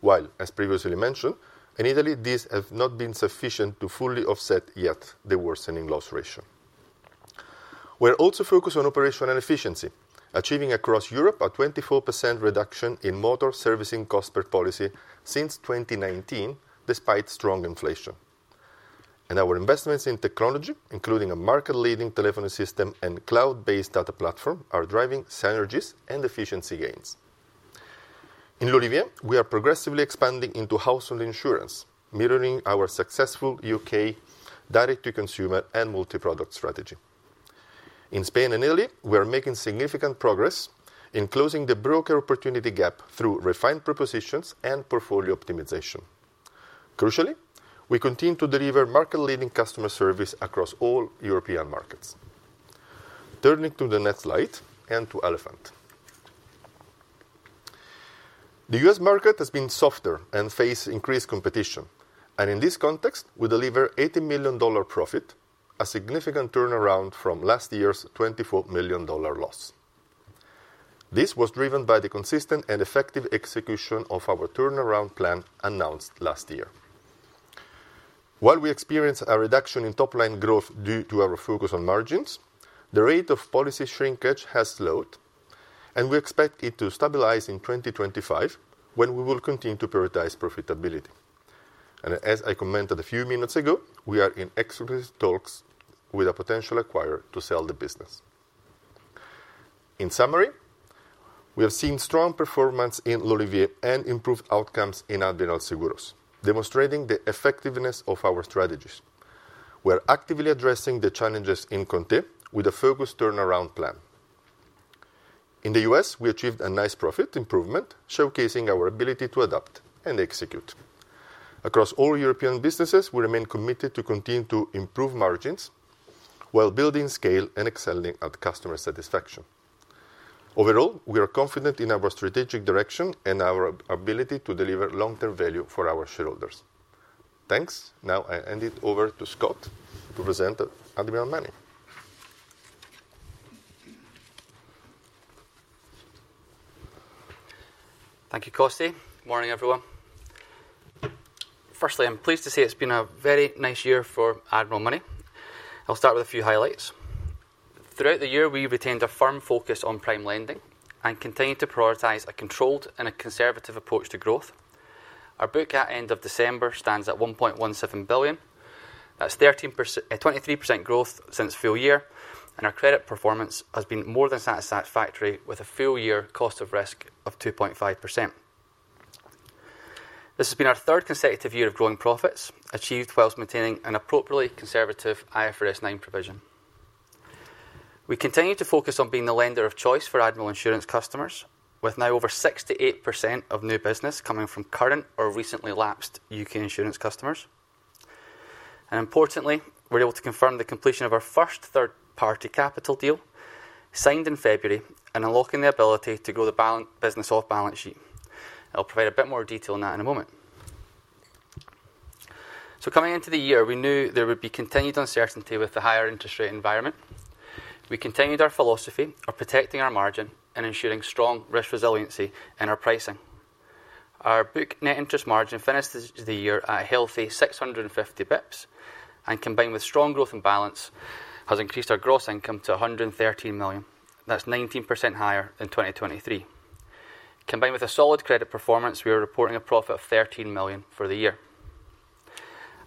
While, as previously mentioned, in Italy, these have not been sufficient to fully offset yet the worsening loss ratio. We're also focused on operational efficiency, achieving across Europe a 24% reduction in motor servicing cost per policy since 2019, despite strong inflation. And our investments in technology, including a market-leading telephony system and cloud-based data platform, are driving synergies and efficiency gains. In L'olivier, we are progressively expanding into household insurance, mirroring our successful UK direct-to-consumer and multi-product strategy. In Spain and Italy, we are making significant progress in closing the broker opportunity gap through refined propositions and portfolio optimization. Crucially, we continue to deliver market-leading customer service across all European markets. Turning to the next slide and to Elephant. The U.S. market has been softer and faced increased competition. And in this context, we deliver $80 million profit, a significant turnaround from last year's $24 million loss. This was driven by the consistent and effective execution of our turnaround plan announced last year. While we experience a reduction in top-line growth due to our focus on margins, the rate of policy shrinkage has slowed, and we expect it to stabilize in 2025 when we will continue to prioritize profitability. And as I commented a few minutes ago, we are in excellent talks with a potential acquirer to sell the business. In summary, we have seen strong performance in L'olivier and improved outcomes in Admiral Seguros, demonstrating the effectiveness of our strategies. We're actively addressing the challenges in ConTe with a focused turnaround plan. In the U.S., we achieved a nice profit improvement, showcasing our ability to adapt and execute. Across all European businesses, we remain committed to continue to improve margins while building scale and excelling at customer satisfaction. Overall, we are confident in our strategic direction and our ability to deliver long-term value for our shareholders. Thanks. Now I hand it over to Scott to present Admiral Money. Thank you, Costy. Morning, everyone. Firstly, I'm pleased to say it's been a very nice year for Admiral Money. I'll start with a few highlights. Throughout the year, we retained a firm focus on prime lending and continue to prioritize a controlled and a conservative approach to growth. Our book at the end of December stands at 1.17 billion. That's 23% growth since full-year, and our credit performance has been more than satisfactory with a full-year cost of risk of 2.5%. This has been our third consecutive year of growing profits, achieved while maintaining an appropriately conservative IFRS 9 provision. We continue to focus on being the lender of choice for Admiral Insurance customers, with now over 68% of new business coming from current or recently lapsed UK Insurance customers. Importantly, we're able to confirm the completion of our first third-party capital deal signed in February and unlocking the ability to grow the business off-balance sheet. I'll provide a bit more detail on that in a moment. Coming into the year, we knew there would be continued uncertainty with the higher interest rate environment. We continued our philosophy of protecting our margin and ensuring strong risk resiliency in our pricing. Our book net interest margin finished the year at a healthy 650 basis points, and combined with strong growth and balance, has increased our gross income to 113 million. That's 19% higher than 2023. Combined with a solid credit performance, we are reporting a profit of 13 million for the year.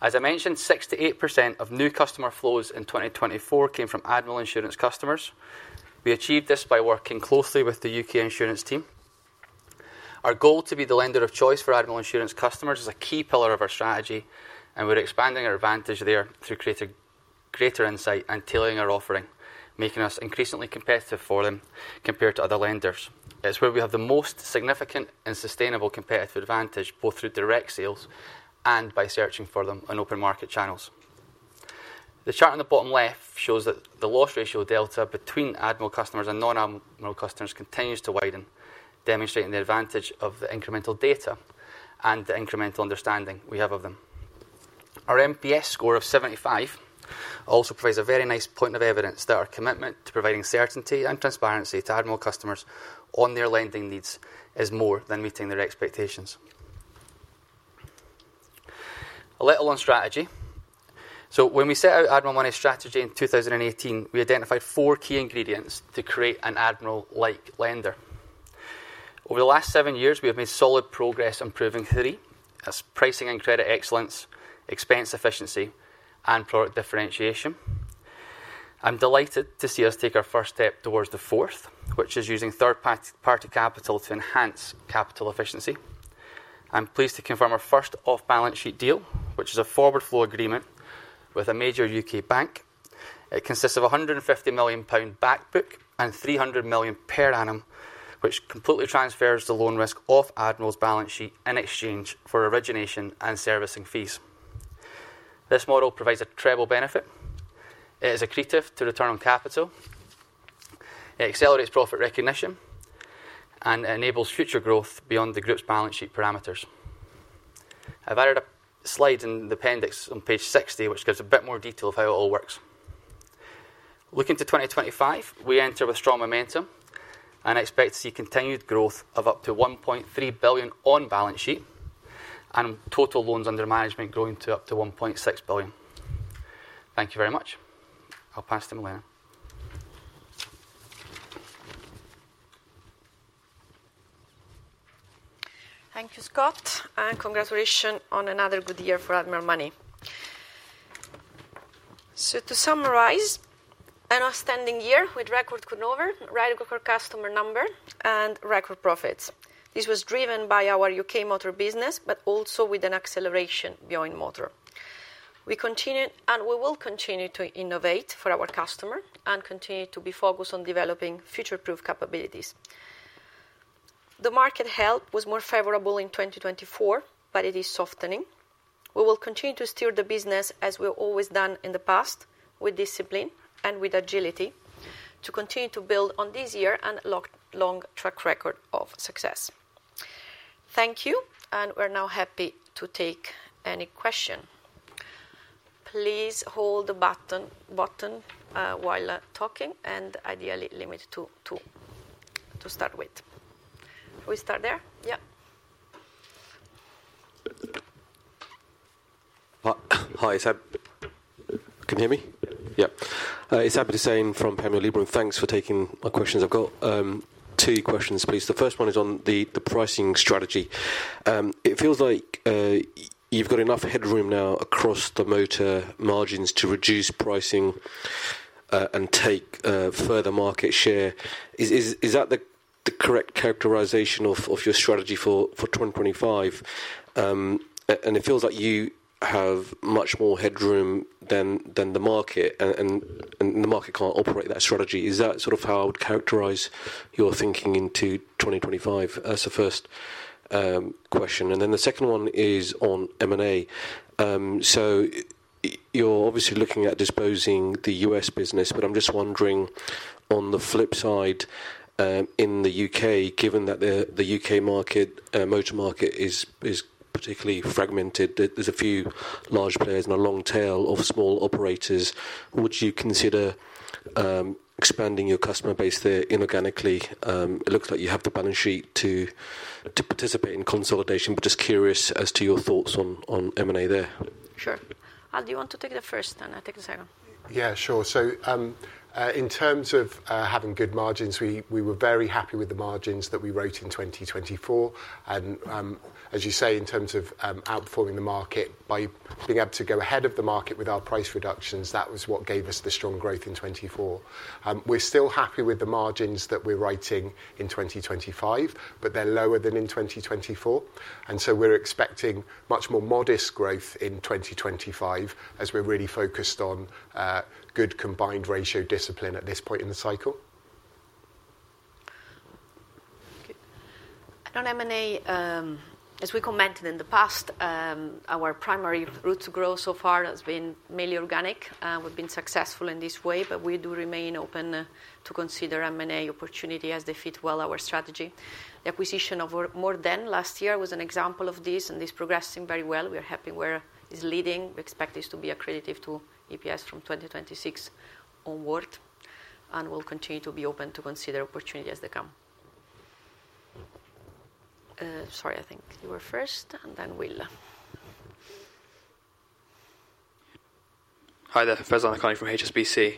As I mentioned, 68% of new customer flows in 2024 came from Admiral Insurance customers. We achieved this by working closely with the UK Insurance team. Our goal to be the lender of choice for Admiral Insurance customers is a key pillar of our strategy, and we're expanding our advantage there through greater insight and tailoring our offering, making us increasingly competitive for them compared to other lenders. It's where we have the most significant and sustainable competitive advantage, both through direct sales and by searching for them on open market channels. The chart on the bottom left shows that the loss ratio delta between Admiral customers and non-Admiral customers continues to widen, demonstrating the advantage of the incremental data and the incremental understanding we have of them. Our NPS score of 75 also provides a very nice point of evidence that our commitment to providing certainty and transparency to Admiral customers on their lending needs is more than meeting their expectations. A little on strategy. When we set out Admiral Money's strategy in 2018, we identified four key ingredients to create an Admiral-like lender. Over the last seven years, we have made solid progress improving three: pricing and credit excellence, expense efficiency, and product differentiation. I'm delighted to see us take our first step towards the fourth, which is using third-party capital to enhance capital efficiency. I'm pleased to confirm our first off-balance sheet deal, which is a forward flow agreement with a major U.K. bank. It consists of a 150 million pound back book and 300 million per annum, which completely transfers the loan risk off Admiral's balance sheet in exchange for origination and servicing fees. This model provides a treble benefit. It is accretive to return on capital. It accelerates profit recognition and enables future growth beyond the group's balance sheet parameters. I've added a slide in the appendix on page 60, which gives a bit more detail of how it all works. Looking to 2025, we enter with strong momentum and expect to see continued growth of up to 1.3 billion on balance sheet and total loans under management growing to up to 1.6 billion. Thank you very much. I'll pass to Milena. Thank you, Scott, and congratulations on another good year for Admiral Money. So to summarize, an outstanding year with record turnover, record-breaking customer number, and record profits. This was driven by our UK Motor business, but also with an acceleration beyond Motor. We continue and we will continue to innovate for our customer and continue to be focused on developing future-proof capabilities. The market health was more favorable in 2024, but it is softening. We will continue to steer the business as we've always done in the past, with discipline and with agility, to continue to build on this year and long track record of success. Thank you, and we're now happy to take any question. Please hold the button while talking and ideally limit to start with. We start there? Yeah. Hi. Can you hear me? Yep. It's Abid Hussain from Panmure Liberum. Thanks for taking my questions. I've got two questions, please. The first one is on the pricing strategy. It feels like you've got enough headroom now across the motor margins to reduce pricing and take further market share. Is that the correct characterization of your strategy for 2025? And it feels like you have much more headroom than the market, and the market can't operate that strategy. Is that sort of how I would characterize your thinking into 2025? That's the first question. And then the second one is on M&A. So you're obviously looking at disposing the U.S. business, but I'm just wondering, on the flip side, in the U.K., given that the U.K. market is particularly fragmented, there's a few large players and a long tail of small operators. Would you consider expanding your customer base there inorganically? It looks like you have the balance sheet to participate in consolidation, but just curious as to your thoughts on M&A there. Sure. Ali, do you want to take the first and I'll take the second? Yeah, sure. So in terms of having good margins, we were very happy with the margins that we wrote in 2024. As you say, in terms of outperforming the market by being able to go ahead of the market with our price reductions, that was what gave us the strong growth in 2024. We're still happy with the margins that we're writing in 2025, but they're lower than in 2024. So we're expecting much more modest growth in 2025 as we're really focused on good combined ratio discipline at this point in the cycle. On M&A, as we commented in the past, our primary route to growth so far has been mainly organic. We've been successful in this way, but we do remain open to consider M&A opportunities as they fit well our strategy. The acquisition of More Than last year was an example of this, and it's progressing very well. We are happy where it's leading. We expect this to be accretive to EPS from 2026 onward, and we'll continue to be open to consider opportunities as they come. Sorry, I think you were first, and then we'll. Hi, there. Faizan Lakhani from HSBC.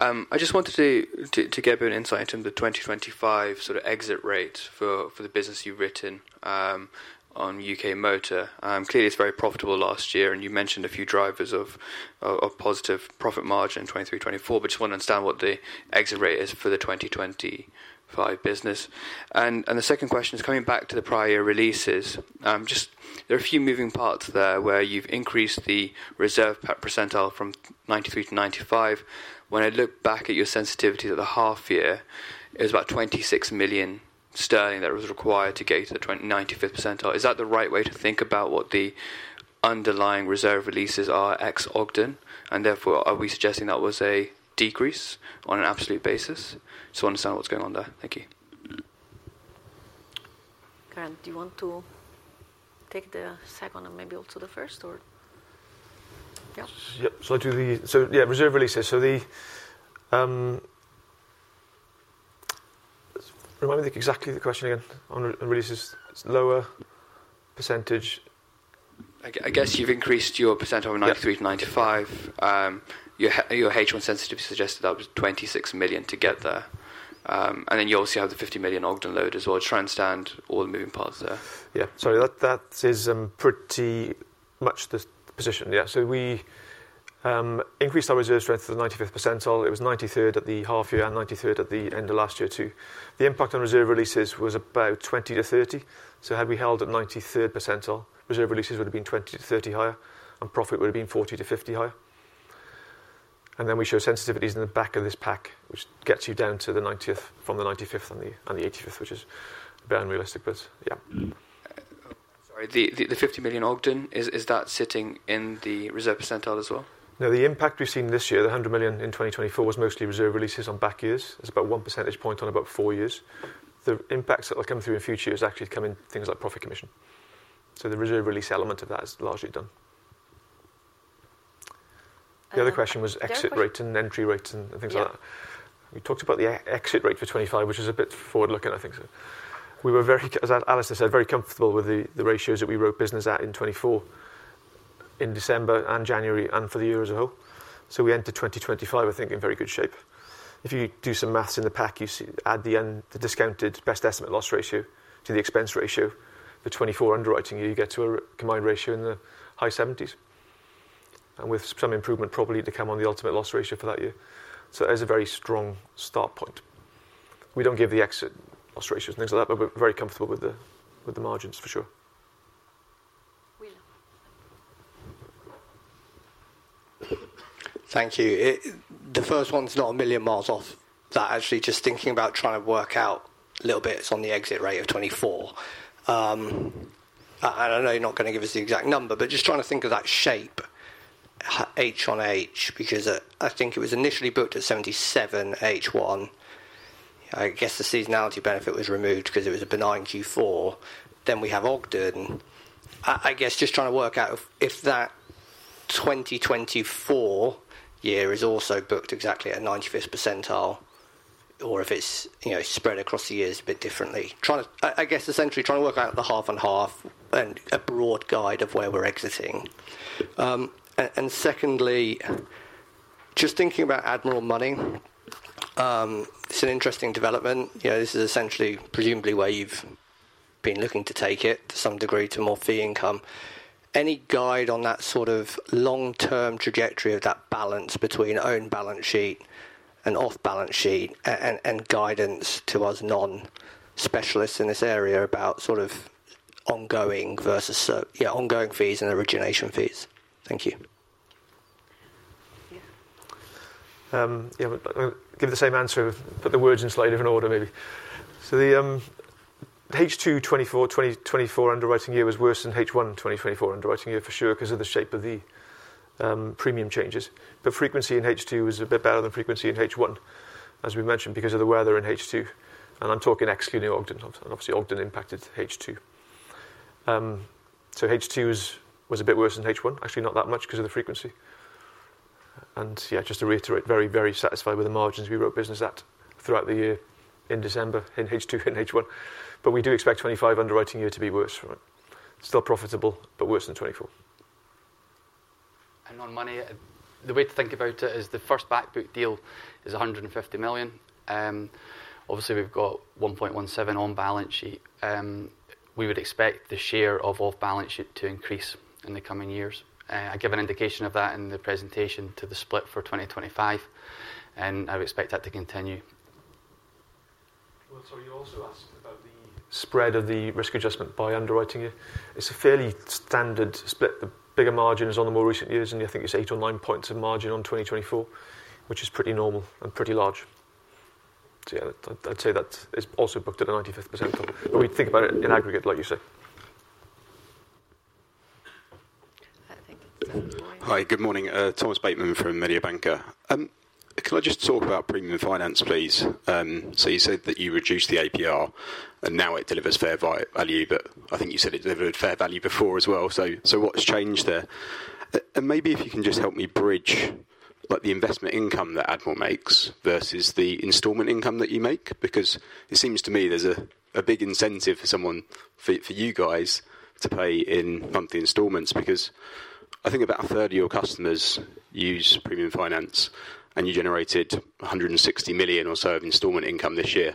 I just wanted to get a bit of insight into the 2025 sort of exit rate for the business you've written on UK Motor. Clearly, it's very profitable last year, and you mentioned a few drivers of positive profit margin in 2023, 2024, but just want to understand what the exit rate is for the 2025 business. And the second question is coming back to the prior year releases. There are a few moving parts there where you've increased the reserve percentile from 93 to 95. When I look back at your sensitivity to the half-year, it was about 26 million sterling that was required to get to the 95th percentile. Is that the right way to think about what the underlying reserve releases are ex-Ogden? And therefore, are we suggesting that was a decrease on an absolute basis? Just want to understand what's going on there. Thank you. Geraint, do you want to take the second and maybe also the first? Yep? So yeah, reserve releases. So remind me exactly the question again on releases. It's lower percentage. I guess you've increased your percentile from 93 to 95. Your H1 sensitivity suggested that was 26 million to get there. And then you also have the 50 million Ogden load as well. Just trying to understand all the moving parts there. Yeah. Sorry, that is pretty much the position. Yeah. So we increased our reserve strength to the 95th percentile. It was 93rd at the half-year and 93rd at the end of last year too. The impact on reserve releases was about 20 million-30 million. So had we held at 93rd percentile, reserve releases would have been 20 million-30 million higher, and profit would have been 40 million-50 million higher. And then we show sensitivities in the back of this pack, which gets you down to the 90th from the 95th and the 85th, which is very unrealistic, but yeah. Sorry, the 50 million Ogden, is that sitting in the reserve percentile as well? No, the impact we've seen this year, the 100 million in 2024, was mostly reserve releases on back years. It's about one percentage point on about four years. The impacts that will come through in future is actually coming from things like profit commission. So the reserve release element of that is largely done. The other question was exit rates and entry rates and things like that. We talked about the exit rate for 2025, which is a bit forward-looking, I think. We were, as Alistair said, very comfortable with the ratios that we wrote business at in 2024, in December and January and for the year as a whole. So we entered 2025, I think, in very good shape. If you do some math in the pack, you add the discounted best estimate loss ratio to the expense ratio, the 2024 underwriting year, you get to a combined ratio in the high 70s, and with some improvement, probably to come on the ultimate loss ratio for that year, so there's a very strong start point. We don't give the exit loss ratios and things like that, but we're very comfortable with the margins for sure. Thank you. The first one's not a million miles off. That's actually just thinking about trying to work out little bits on the exit rate of 2024. I know you're not going to give us the exact number, but just trying to think of that shape, H-on-H, because I think it was initially booked at 77% H1. I guess the seasonality benefit was removed because it was a benign Q4. Then we have Ogden. I guess just trying to work out if that 2024 year is also booked exactly at 95th percentile or if it's spread across the years a bit differently. I guess essentially trying to work out the half-and-half and a broad guide of where we're exiting. Secondly, just thinking about Admiral Money, it's an interesting development. This is essentially presumably where you've been looking to take it to some degree to more fee income. Any guide on that sort of long-term trajectory of that balance between own balance sheet and off-balance sheet and guidance to us non-specialists in this area about sort of ongoing fees and origination fees? Thank you. I'll give the same answer, but the words in slightly different order maybe. So the H2 2024 underwriting year was worse than H1 2024 underwriting year for sure because of the shape of the premium changes. But frequency in H2 was a bit better than frequency in H1, as we mentioned, because of the weather in H2. And I'm talking excluding Ogden. Obviously, Ogden impacted H2. So H2 was a bit worse than H1, actually not that much because of the frequency. And yeah, just to reiterate, very, very satisfied with the margins we wrote business at throughout the year in December in H2 and H1. But we do expect 2025 underwriting year to be worse from it. Still profitable, but worse than 2024. Admiral Money, the way to think about it is the first back book deal is 150 million. Obviously, we've got 1.17 billion on balance sheet. We would expect the share of off-balance sheet to increase in the coming years. I gave an indication of that in the presentation to the split for 2025, and I would expect that to continue. Sorry. You also asked about the spread of the risk adjustment by underwriting year. It's a fairly standard split. The bigger margin is on the more recent years, and I think it's eight or nine points of margin on 2024, which is pretty normal and pretty large. So yeah, I'd say that is also booked at a 95th percentile. But we'd think about it in aggregate, like you said. Hi, good morning. Thomas Bateman from Mediobanca. Can I just talk about premium finance, please? So you said that you reduced the APR, and now it delivers fair value, but I think you said it delivered fair value before as well. So what's changed there? And maybe if you can just help me bridge the investment income that Admiral makes versus the installment income that you make, because it seems to me there's a big incentive for you guys to pay in monthly installments, because I think about a third of your customers use premium finance, and you generated 160 million or so of installment income this year,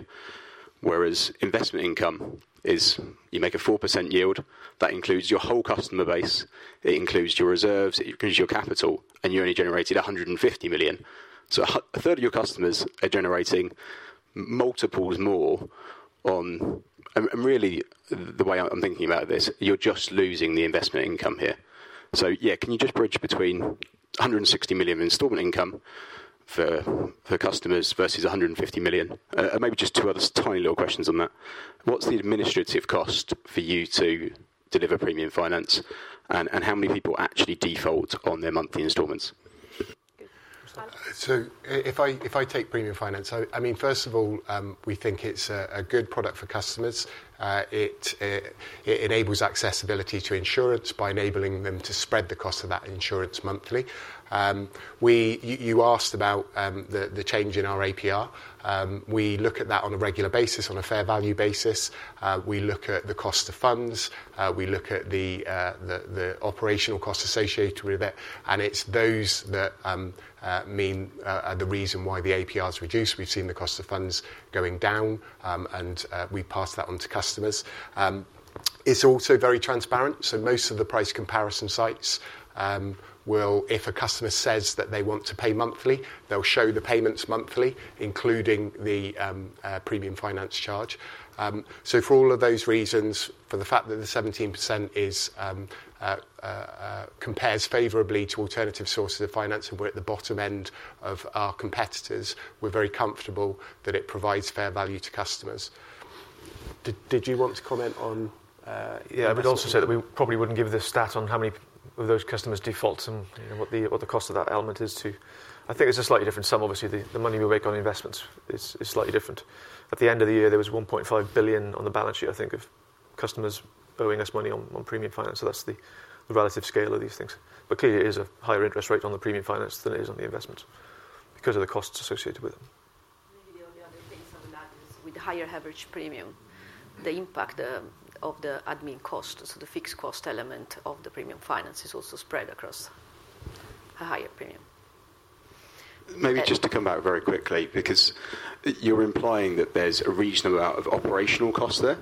whereas investment income is you make a 4% yield. That includes your whole customer base. It includes your reserves. It includes your capital, and you only generated 150 million. A third of your customers are generating multiples more on, and really, the way I'm thinking about this, you're just losing the investment income here. Yeah, can you just bridge between 160 million installment income for customers versus 150 million? Maybe just two other tiny little questions on that. What's the administrative cost for you to deliver premium finance, and how many people actually default on their monthly installments? If I take premium finance, I mean, first of all, we think it's a good product for customers. It enables accessibility to insurance by enabling them to spread the cost of that insurance monthly. You asked about the change in our APR. We look at that on a regular basis, on a fair value basis. We look at the cost of funds. We look at the operational cost associated with it. And it's those that mean the reason why the APR is reduced. We've seen the cost of funds going down, and we pass that on to customers. It's also very transparent. So most of the price comparison sites, if a customer says that they want to pay monthly, they'll show the payments monthly, including the premium finance charge. So for all of those reasons, for the fact that the 17% compares favorably to alternative sources of finance, and we're at the bottom end of our competitors, we're very comfortable that it provides fair value to customers. Did you want to comment on? Yeah, I would also say that we probably wouldn't give the stat on how many of those customers default and what the cost of that element is too. I think it's a slightly different sum. Obviously, the money we make on investments is slightly different. At the end of the year, there was 1.5 billion on the balance sheet, I think, of customers owing us money on premium finance. So that's the relative scale of these things. But clearly, it is a higher interest rate on the premium finance than it is on the investments because of the costs associated with them. Maybe there will be other things on that. With the higher average premium, the impact of the admin cost, so the fixed cost element of the premium finance is also spread across a higher premium. Maybe just to come back very quickly, because you're implying that there's a reasonable amount of operational cost there,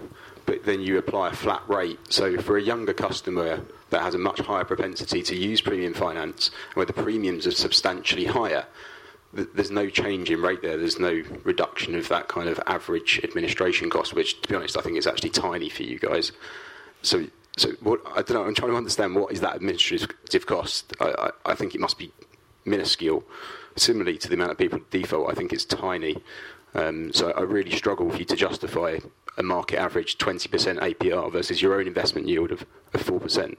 but then you apply a flat rate. So for a younger customer that has a much higher propensity to use premium finance, where the premiums are substantially higher, there's no change in rate there. There's no reduction of that kind of average administration cost, which, to be honest, I think is actually tiny for you guys. So I'm trying to understand what is that administrative cost. I think it must be minuscule. Similarly to the amount of people default, I think it's tiny. So I really struggle for you to justify a market average 20% APR versus your own investment yield of 4%.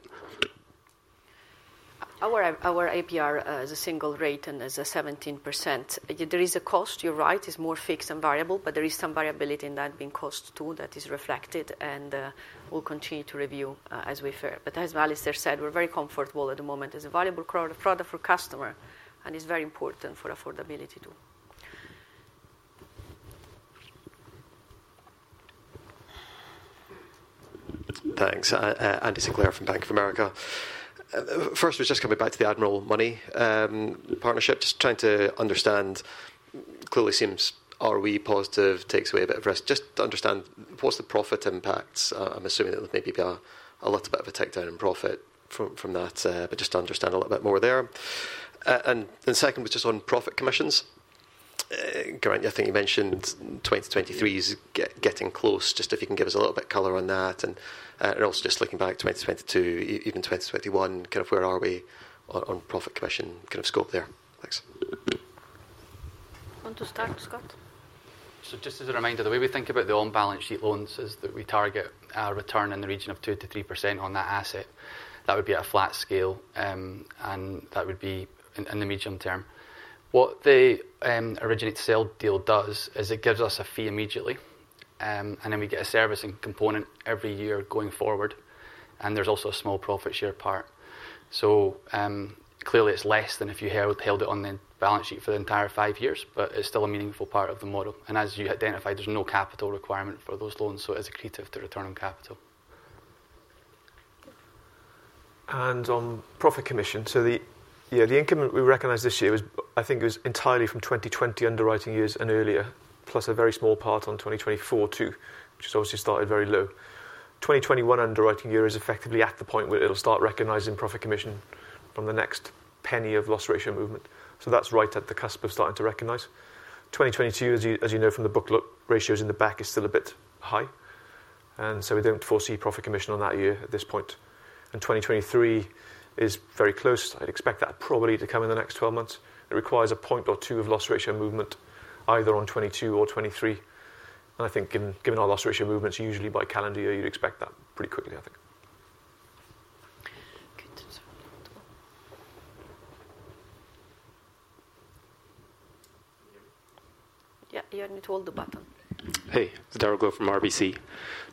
Our APR is a single rate and is a 17%. There is a cost, you're right, it's more fixed and variable, but there is some variability in that being cost too that is reflected and will continue to review as we fair. But as Alistair said, we're very comfortable at the moment as a valuable product for customer, and it's very important for affordability too. Thanks. Andy Sinclair from Bank of America. First, we're just coming back to the Admiral Money partnership. Just trying to understand, clearly seems ROE positive, takes away a bit of risk. Just to understand what's the profit impacts. I'm assuming that there may be a little bit of a takedown in profit from that, but just to understand a little bit more there. And then second was just on profit commissions. Geraint, I think you mentioned 2023 is getting close. Just if you can give us a little bit of color on that. And also just looking back 2022, even 2021, kind of where are we on profit commission kind of scope there? Thanks. Want to start, Scott? So just as a reminder, the way we think about the on-balance sheet loans is that we target a return in the region of 2%-3% on that asset. That would be at a flat scale, and that would be in the medium-term. What the originate sale deal does is it gives us a fee immediately, and then we get a servicing component every year going forward, and there's also a small profit share part. So clearly, it's less than if you held it on the balance sheet for the entire five years, but it's still a meaningful part of the model. And as you identified, there's no capital requirement for those loans, so it is a creative to return on capital. And on profit commission, so the increment we recognized this year, I think it was entirely from 2020 underwriting years and earlier, plus a very small part on 2024 too, which has obviously started very low. 2021 underwriting year is effectively at the point where it'll start recognizing profit commission from the next penny of loss-ratio movement. So that's right at the cusp of starting to recognize. 2022, as you know from the booklet, ratios in the back is still a bit high. And so we don't foresee profit commission on that year at this point. And 2023 is very close. I'd expect that probably to come in the next 12 months. It requires a point or two of loss-ratio movement, either on 2022 or 2023. And I think given our loss-ratio movements, usually by calendar year, you'd expect that pretty quickly, I think. Yeah. You hold the button. Hey, Darragh Quinn from RBC.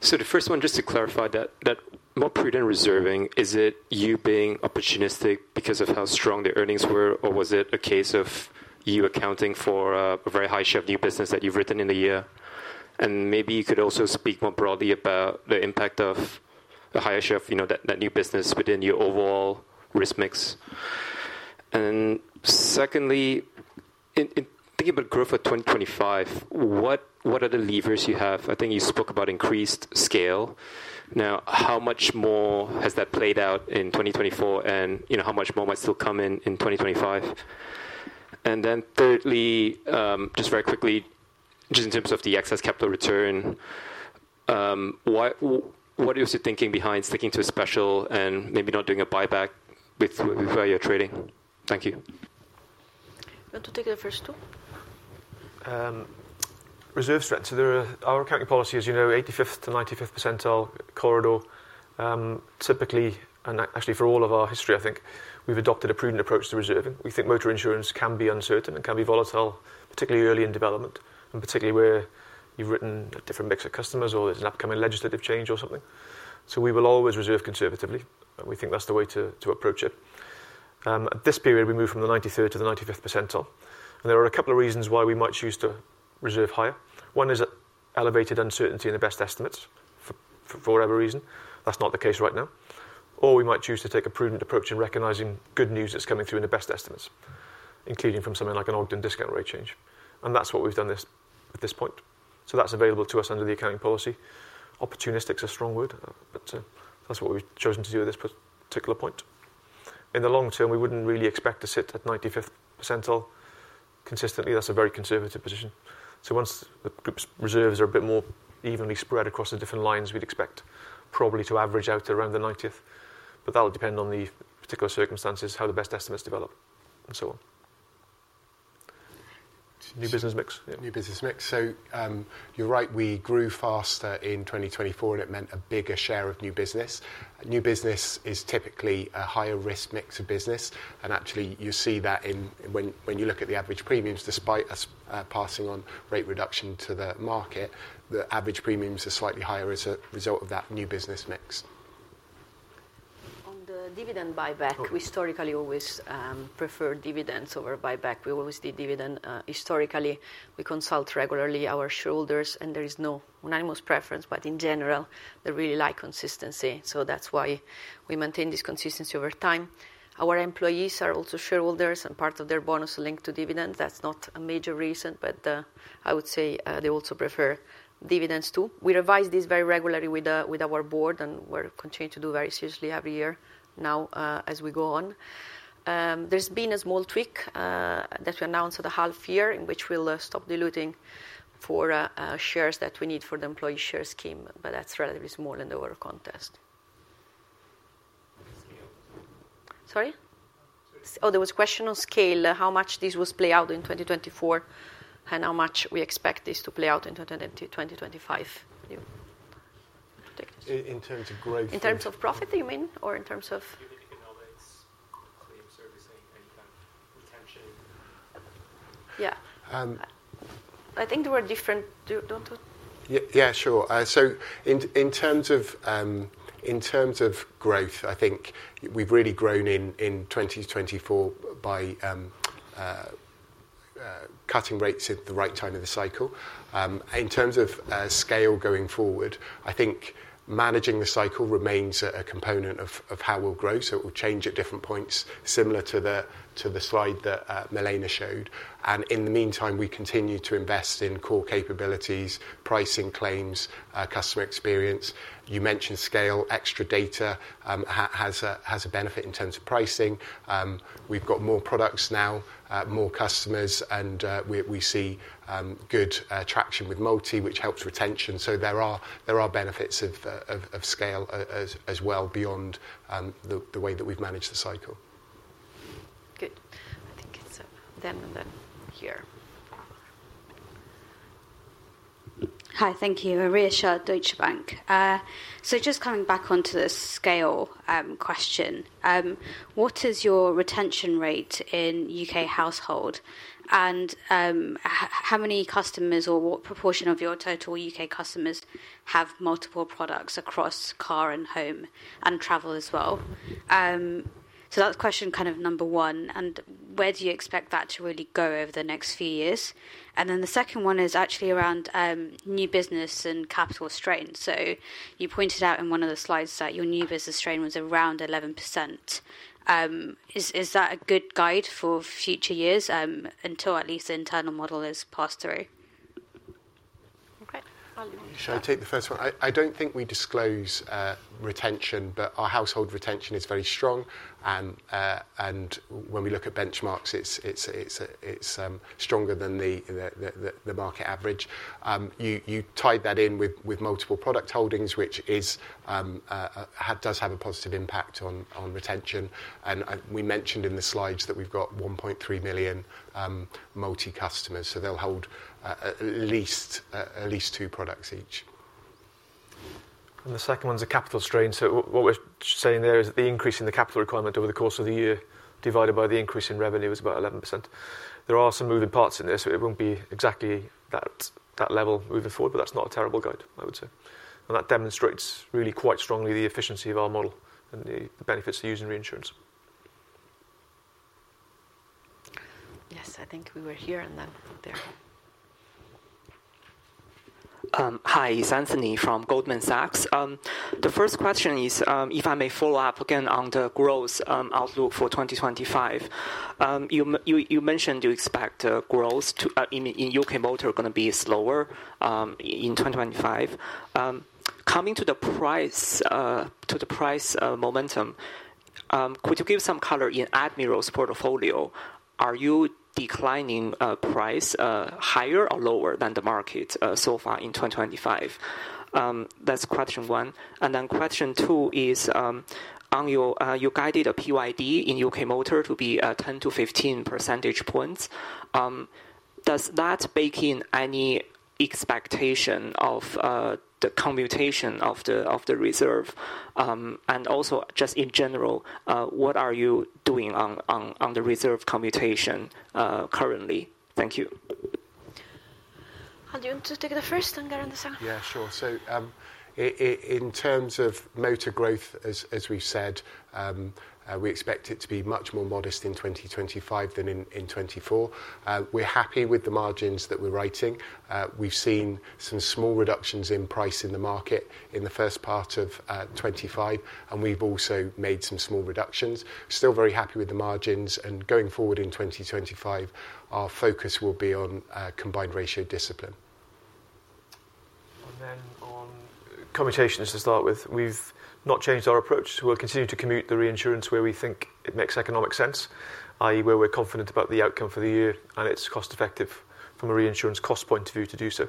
So the first one, just to clarify that more prudent reserving, is it you being opportunistic because of how strong the earnings were, or was it a case of you accounting for a very high share of new business that you've written in the year? And maybe you could also speak more broadly about the impact of the higher share of that new business within your overall risk mix. And secondly, thinking about growth for 2025, what are the levers you have? I think you spoke about increased scale. Now, how much more has that played out in 2024, and how much more might still come in 2025? And then thirdly, just very quickly, just in terms of the excess capital return, what is the thinking behind sticking to a special and maybe not doing a buyback with where you're trading? Thank you. Want to take the first two? Reserve strength. So our accounting policy, as you know, 85th to 95th percentile corridor. Typically, and actually for all of our history, I think we've adopted a prudent approach to reserving. We think motor insurance can be uncertain and can be volatile, particularly early in development, and particularly where you've written a different mix of customers or there's an upcoming legislative change or something. So we will always reserve conservatively, and we think that's the way to approach it. At this period, we move from the 93rd to the 95th percentile. And there are a couple of reasons why we might choose to reserve higher. One is elevated uncertainty in the best estimates for whatever reason. That's not the case right now. Or we might choose to take a prudent approach in recognizing good news that's coming through in the best estimates, including from something like an Ogden discount rate change, and that's what we've done at this point, so that's available to us under the accounting policy. Opportunistic is a strong word, but that's what we've chosen to do at this particular point. In the long term, we wouldn't really expect to sit at 95th percentile consistently. That's a very conservative position. So once the group's reserves are a bit more evenly spread across the different lines, we'd expect probably to average out around the 90th, but that'll depend on the particular circumstances, how the best estimates develop, and so on. New business mix? New business mix. So you're right, we grew faster in 2024, and it meant a bigger share of new business. New business is typically a higher risk mix of business. And actually, you see that when you look at the average premiums, despite us passing on rate reduction to the market, the average premiums are slightly higher as a result of that new business mix. On the dividend buyback, we historically always prefer dividends over buyback. We always did dividend. Historically, we consult regularly our shareholders, and there is no unanimous preference, but in general, they really like consistency. So that's why we maintain this consistency over time. Our employees are also shareholders, and part of their bonus linked to dividends. That's not a major reason, but I would say they also prefer dividends too. We revise this very regularly with our Board, and we're continuing to do very seriously every year now as we go on. There's been a small tweak that we announced at the half-year in which we'll stop diluting for shares that we need for the employee share scheme, but that's relatively small in the world context. Sorry? Oh, there was a question on scale. How much this will play out in 2024 and how much we expect this to play out in 2025? In terms of profit, you mean, or in terms of? You can always claim servicing and kind of retention. Yeah. I think there were different. Do you want to? Yeah, sure. So in terms of growth, I think we've really grown in 2024 by cutting rates at the right time of the cycle. In terms of scale going forward, I think managing the cycle remains a component of how we'll grow, so it will change at different points, similar to the slide that Milena showed. And in the meantime, we continue to invest in core capabilities, pricing claims, customer experience. You mentioned scale. Extra data has a benefit in terms of pricing. We've got more products now, more customers, and we see good traction with Multi, which helps retention. So there are benefits of scale as well beyond the way that we've managed the cycle. Good. I think it's them and then here. Hi, thank you. Rhea Shah, Deutsche Bank. So just coming back onto the scale question. What is your retention rate in UK Household? And how many customers or what proportion of your total U.K. customers have multiple products across car and home and travel as well? So that's question kind of number one and where do you expect that to really go over the next few years. And then the second one is actually around new business and capital strain. You pointed out in one of the slides that your new business strain was around 11%. Is that a good guide for future years until at least the internal model is passed through? Okay. Should I take the first one? I don't think we disclose retention, but our household retention is very strong. When we look at benchmarks, it's stronger than the market average. You tied that in with multiple product holdings, which does have a positive impact on retention. We mentioned in the slides that we've got 1.3 million multi-customers, so they'll hold at least two products each. The second one's a capital strain. What we're saying there is that the increase in the capital requirement over the course of the year divided by the increase in revenue is about 11%. There are some moving parts in there, so it won't be exactly that level moving forward, but that's not a terrible guide, I would say. That demonstrates really quite strongly the efficiency of our model and the benefits of using reinsurance. Yes, I think we were here and then there. Hi, it's Anthony from Goldman Sachs. The first question is if I may follow up again on the growth outlook for 2025. You mentioned you expect growth in UK Motor going to be slower in 2025. Coming to the price momentum, could you give some color in Admiral's portfolio? Are you declining price higher or lower than the market so far in 2025? That's question one. Question two is, you guided a PYD in UK Motor to be 10-15 percentage points. Does that bake in any expectation of the commutation of the reserve? And also, just in general, what are you doing on the reserve commutation currently? Thank you. Ali, do you want to take the first and I'm on the second? Yeah, sure. So in terms of Motor growth, as we've said, we expect it to be much more modest in 2025 than in 2024. We're happy with the margins that we're writing. We've seen some small reductions in price in the market in the first part of 2025, and we've also made some small reductions. Still very happy with the margins. And going forward in 2025, our focus will be on combined ratio discipline. And then on commutation to start with, we've not changed our approach. We'll continue to commute the reinsurance where we think it makes economic sense, i.e., where we're confident about the outcome for the year and it's cost-effective from a reinsurance cost point of view to do so.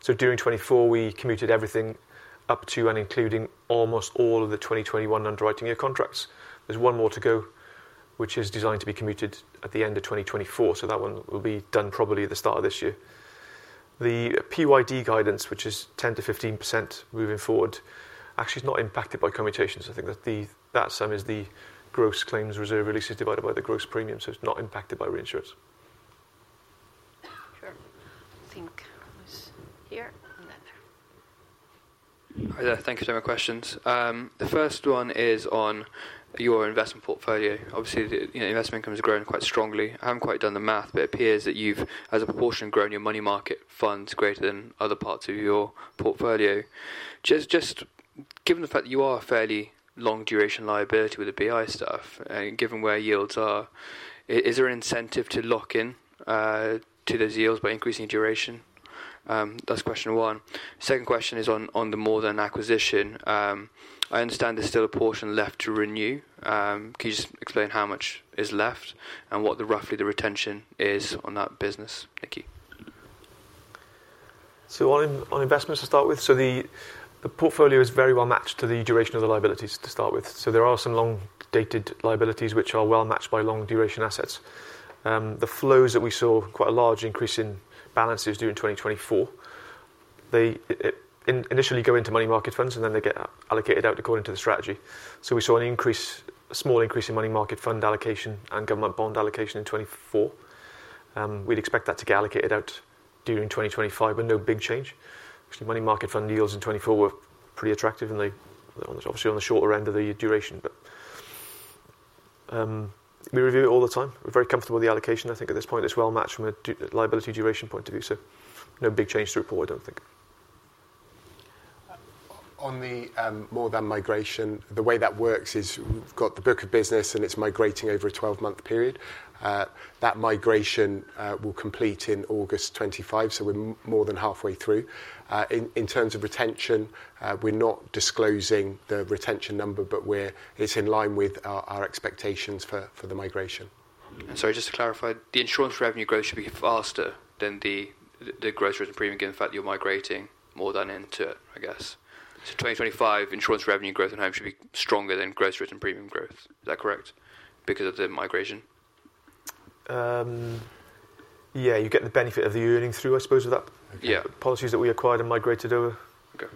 So during 2024, we commuted everything up to and including almost all of the 2021 underwriting year contracts. There's one more to go, which is designed to be commuted at the end of 2024. So that one will be done probably at the start of this year. The PYD guidance, which is 10%-15% moving forward, actually is not impacted by commutations. I think that that sum is the gross claims reserve releases divided by the gross premium. So it's not impacted by reinsurance. Sure. I think it was here and then there. Thank you for your questions. The first one is on your investment portfolio. Obviously, investment income has grown quite strongly. I haven't quite done the math, but it appears that you've, as a proportion, grown your money market funds greater than other parts of your portfolio. Just given the fact that you are a fairly long-duration liability with the BI stuff, given where yields are, is there an incentive to lock in to those yields by increasing duration? That's question one. Second question is on the More Than acquisition. I understand there's still a portion left to renew. Can you just explain how much is left and what roughly the retention is on that business? Thank you. So on investments to start with, so the portfolio is very well matched to the duration of the liabilities to start with. So there are some long-dated liabilities which are well matched by long-duration assets. The flows that we saw quite a large increase in balances during 2024, they initially go into money market funds, and then they get allocated out according to the strategy. So we saw a small increase in money market fund allocation and government bond allocation in 2024. We'd expect that to get allocated out during 2025, but no big change. Actually, money market fund yields in 2024 were pretty attractive, and they're obviously on the shorter end of the duration, but we review it all the time. We're very comfortable with the allocation, I think, at this point. It's well matched from a liability duration point of view. So no big change to report, I think. On the More Than migration, the way that works is we've got the book of business, and it's migrating over a 12-month period. That migration will complete in August 2025, so we're more than halfway through. In terms of retention, we're not disclosing the retention number, but it's in line with our expectations for the migration. Sorry, just to clarify, the insurance revenue growth should be faster than the gross written premium given the fact that you're migrating More Than into it, I guess. So 2025, insurance revenue growth in home should be stronger than gross written premium growth. Is that correct? Because of the migration? Yeah, you get the benefit of the earnings through, I suppose, of that. Yeah. Policies that we acquired and migrated over. Okay.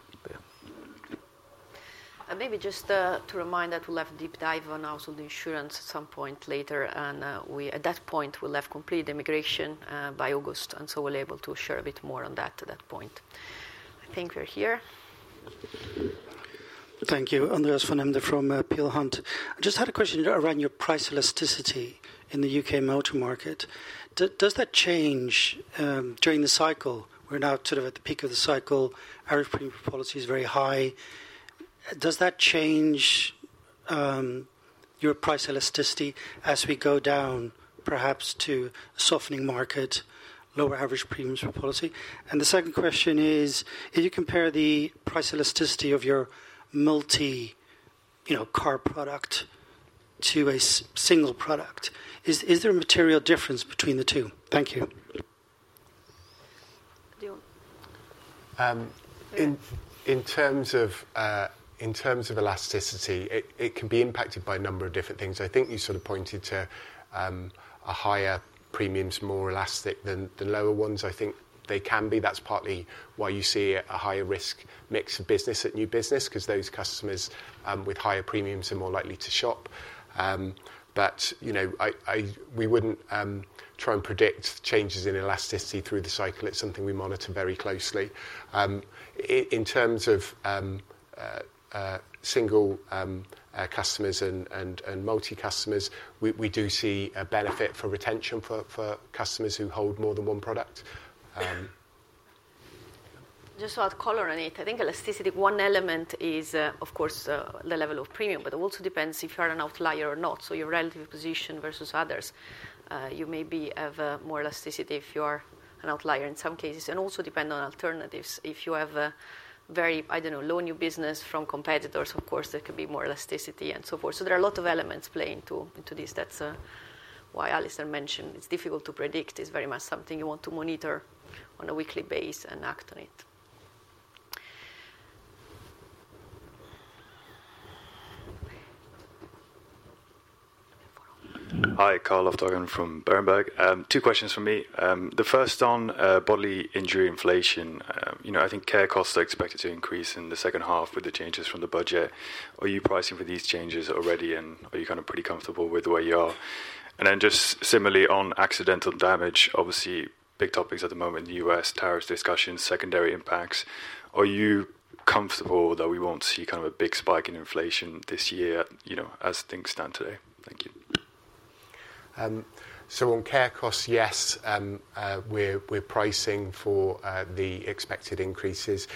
And maybe just to remind that we'll have a deep dive on household insurance at some point later, and at that point, we'll have completed migration by August, and so we'll be able to share a bit more on that at that point. I think we're here. Thank you. Andreas van Embden from Peel Hunt. I just had a question around your price elasticity in the UK Motor market. Does that change during the cycle? We're now sort of at the peak of the cycle. Average premium for policy is very high. Does that change your price elasticity as we go down, perhaps to a softening market, lower average premiums for policy? And the second question is, if you compare the price elasticity of your multi-car product to a single product, is there a material difference between the two? Thank you. In terms of elasticity, it can be impacted by a number of different things. I think you sort of pointed to a higher premiums, more elastic than the lower ones. I think they can be. That's partly why you see a higher risk mix of business at new business, because those customers with higher premiums are more likely to shop. But we wouldn't try and predict changes in elasticity through the cycle. It's something we monitor very closely. In terms of single customers and multi-customers, we do see a benefit for retention for customers who hold more than one product. Just to add color on it, I think elasticity, one element is, of course, the level of premium, but it also depends if you are an outlier or not. So your relative position versus others, you maybe have more elasticity if you are an outlier in some cases, and also depend on alternatives. If you have a very, I don't know, low new business from competitors, of course, there could be more elasticity and so forth. There are a lot of elements playing into this. That's why Alistair mentioned it's difficult to predict. It's very much something you want to monitor on a weekly basis and act on it. Hi, Carl Lofthagen from Berenberg. Two questions for me. The first on bodily injury inflation. I think care costs are expected to increase in the second half with the changes from the Budget. Are you pricing for these changes already, and are you kind of pretty comfortable with where you are? And then just similarly on accidental damage, obviously big topics at the moment in the U.S., tariff discussions, secondary impacts. Are you comfortable that we won't see kind of a big spike in inflation this year as things stand today? Thank you. On care costs, yes, we're pricing for the expected increases.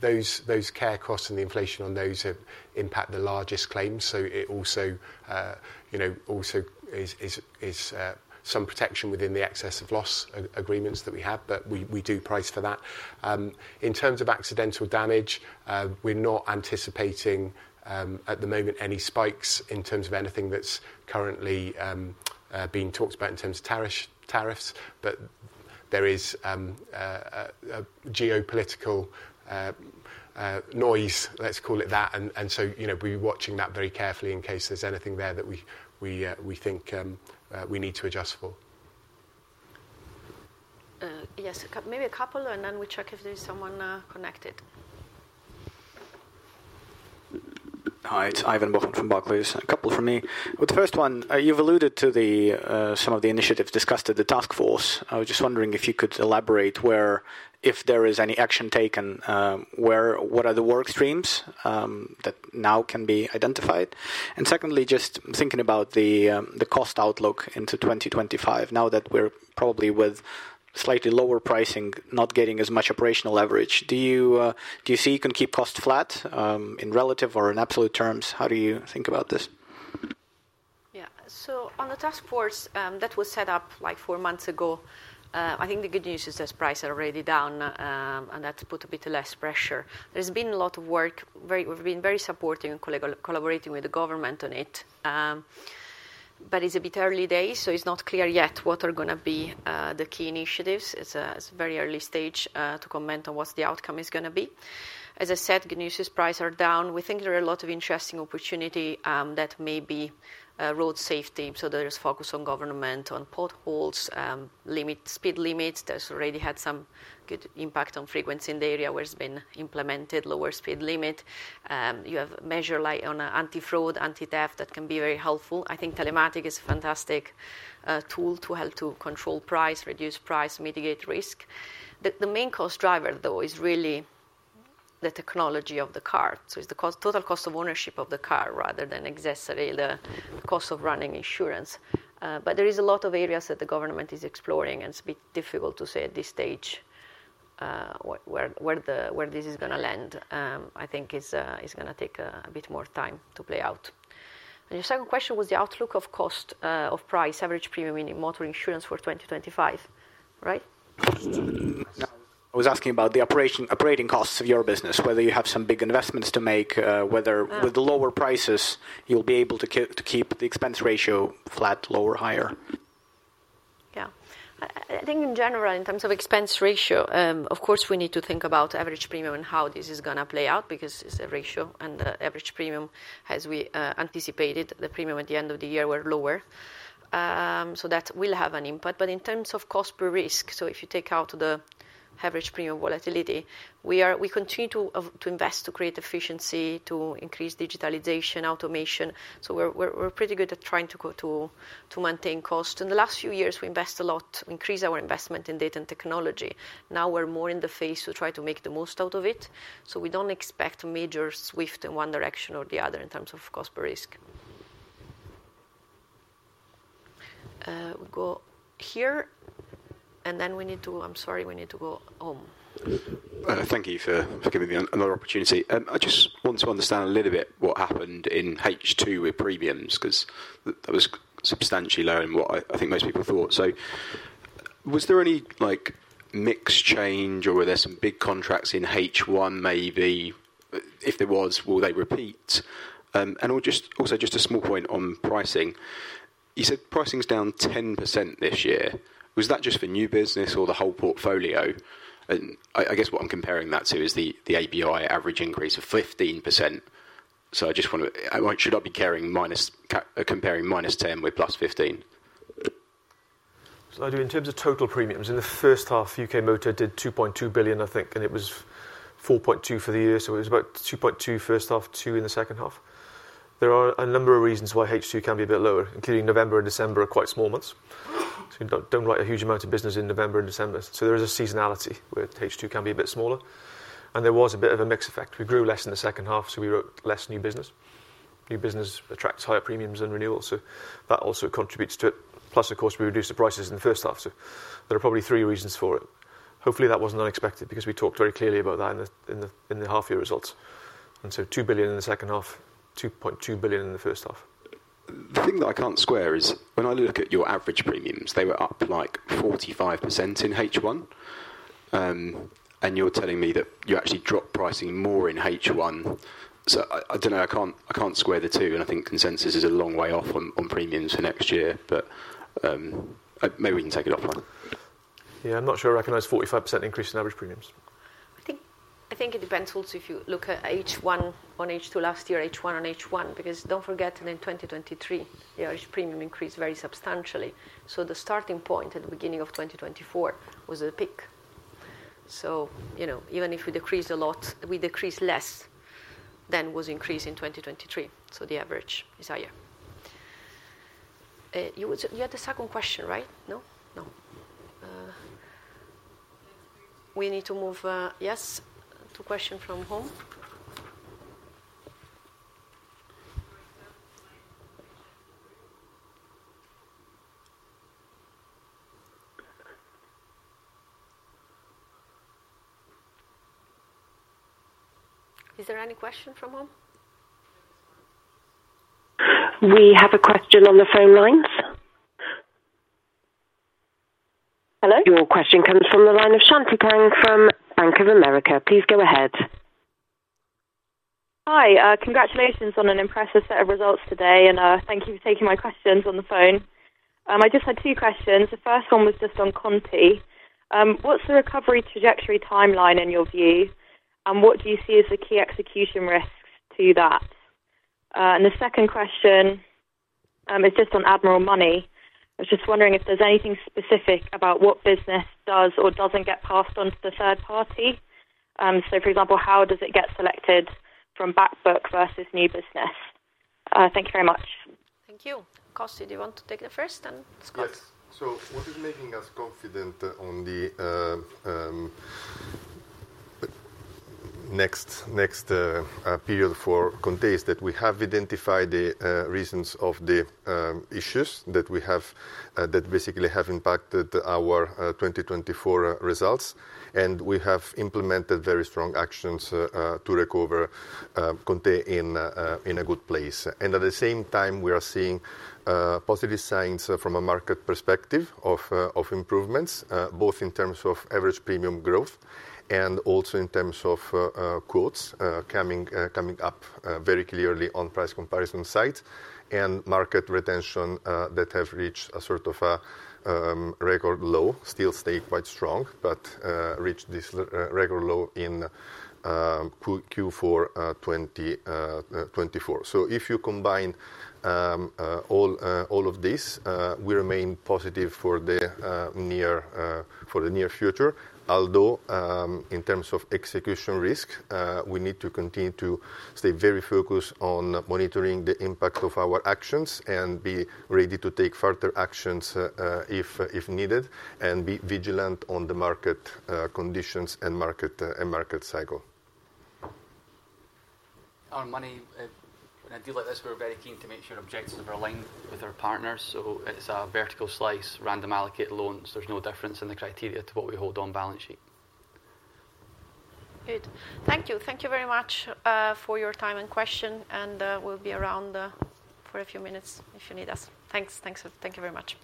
Those care costs and the inflation on those impact the largest claims. So it also is some protection within the Excess of Loss agreements that we have, but we do price for that. In terms of accidental damage, we're not anticipating at the moment any spikes in terms of anything that's currently being talked about in terms of tariffs, but there is geopolitical noise, let's call it that. And so we're watching that very carefully in case there's anything there that we think we need to adjust for. Yes, maybe a couple, and then we check if there's someone connected. Hi, it's Ivan Bokhmat from Barclays. A couple from me. With the first one, you've alluded to some of the initiatives discussed at the task force. I was just wondering if you could elaborate where, if there is any action taken, what are the work streams that now can be identified? And secondly, just thinking about the cost outlook into 2025, now that we're probably with slightly lower pricing, not getting as much operational leverage, do you see you can keep costs flat in relative or in absolute terms? How do you think about this? Yeah. So on the task force that was set up like four months ago, I think the good news is that prices are already down, and that put a bit less pressure. There's been a lot of work. We've been very supportive and collaborating with the government on it, but it's a bit early days, so it's not clear yet what are going to be the key initiatives. It's a very early stage to comment on what the outcome is going to be. As I said, good news is prices are down. We think there are a lot of interesting opportunities that may be road safety, so there is focus on government, on potholes, speed limits. That's already had some good impact on frequency in the area where it's been implemented, lower speed limit. You have measures like anti-fraud, anti-theft that can be very helpful. I think telematics is a fantastic tool to help to control price, reduce price, mitigate risk. The main cost driver, though, is really the technology of the car. So it's the total cost of ownership of the car rather than accessory, the cost of running insurance. But there are a lot of areas that the government is exploring, and it's a bit difficult to say at this stage where this is going to land. I think it's going to take a bit more time to play out. Your second question was the outlook for cost per policy, average premium in motor insurance for 2025, right? I was asking about the operating costs of your business, whether you have some big investments to make, whether with the lower prices, you'll be able to keep the expense ratio flat, lower, higher. Yeah. I think in general, in terms of expense ratio, of course, we need to think about average premium and how this is going to play out because it's a ratio. The average premium, as we anticipated, the premium at the end of the year were lower. So that will have an impact. But in terms of cost per risk, so if you take out the average premium volatility, we continue to invest to create efficiency, to increase digitalization, automation. So we're pretty good at trying to maintain cost. In the last few years, we invest a lot, increase our investment in data and technology. Now we're more in the phase to try to make the most out of it. So we don't expect major shift in one direction or the other in terms of cost of risk. We go here, and then we need to, I'm sorry, we need to go home. Thank you for giving me another opportunity. I just want to understand a little bit what happened in H2 with premiums because that was substantially lower than what I think most people thought. So was there any mix change, or were there some big contracts in H1 maybe? If there was, will they repeat? And also just a small point on pricing. You said pricing's down 10% this year. Was that just for new business or the whole portfolio? I guess what I'm comparing that to is the ABI average increase of 15%. So I just want to, should I be comparing -10% with +15%? So in terms of total premiums, in the first half, UK Motor did 2.2 billion, I think, and it was 4.2 billion for the year. So it was about 2.2 billion first half, 2 billion in the second half. There are a number of reasons why H2 can be a bit lower, including November and December are quite small months. So don't write a huge amount of business in November and December. So there is a seasonality where H2 can be a bit smaller. And there was a bit of a mixed effect. We grew less in the second half, so we wrote less new business. New business attracts higher premiums than renewals, so that also contributes to it. Plus, of course, we reduced the prices in the first half. So there are probably three reasons for it. Hopefully, that wasn't unexpected because we talked very clearly about that in the half-year results. And so 2 billion in the second half, 2.2 billion in the first half. The thing that I can't square is when I look at your average premiums, they were up like 45% in H1, and you're telling me that you actually dropped pricing more in H1. So I don't know, I can't square the two, and I think consensus is a long way off on premiums for next year, but maybe we can take it offline. Yeah, I'm not sure I recognize 45% increase in average premiums. I think it depends also if you look at H1-on-H2 last year, H1-on-H1, because don't forget in 2023, the average premium increased very substantially. So the starting point at the beginning of 2024 was a peak. So even if we decreased a lot, we decreased less than was increased in 2023. So the average is higher. You had a second question, right? No? No. We need to move, yes, to a question from the room. Is there any question from the room? We have a question on the phone lines. Hello? Your question comes from the line of Shanti Kang from Bank of America. Please go ahead. Hi. Congratulations on an impressive set of results today, and thank you for taking my questions on the phone. I just had two questions. The first one was just on ConTe. What's the recovery trajectory timeline in your view, and what do you see as the key execution risks to that? And the second question is just on Admiral Money. I was just wondering if there's anything specific about what business does or doesn't get passed on to the third party. So for example, how does it get selected from back book versus new business? Thank you very much. Thank you. Costy, do you want to take the first and then Scott? Yes. So what is making us confident on the next period for ConTe is that we have identified the reasons of the issues that basically have impacted our 2024 results, and we have implemented very strong actions to recover ConTe in a good place. And at the same time, we are seeing positive signs from a market perspective of improvements, both in terms of average premium growth and also in terms of quotes coming up very clearly on price comparison sites and market retention that have reached a sort of record low, still stay quite strong, but reached this record low in Q4 2024. So if you combine all of this, we remain positive for the near future, although in terms of execution risk, we need to continue to stay very focused on monitoring the impact of our actions and be ready to take further actions if needed and be vigilant on the market conditions and market cycle. Admiral Money, in a deal like this, we're very keen to make sure objectives are aligned with our partners. So it's a vertical slice, random allocated loans. There's no difference in the criteria to what we hold on balance sheet. Good. Thank you. Thank you very much for your time and question, and we'll be around for a few minutes if you need us. Thanks. Thank you very much.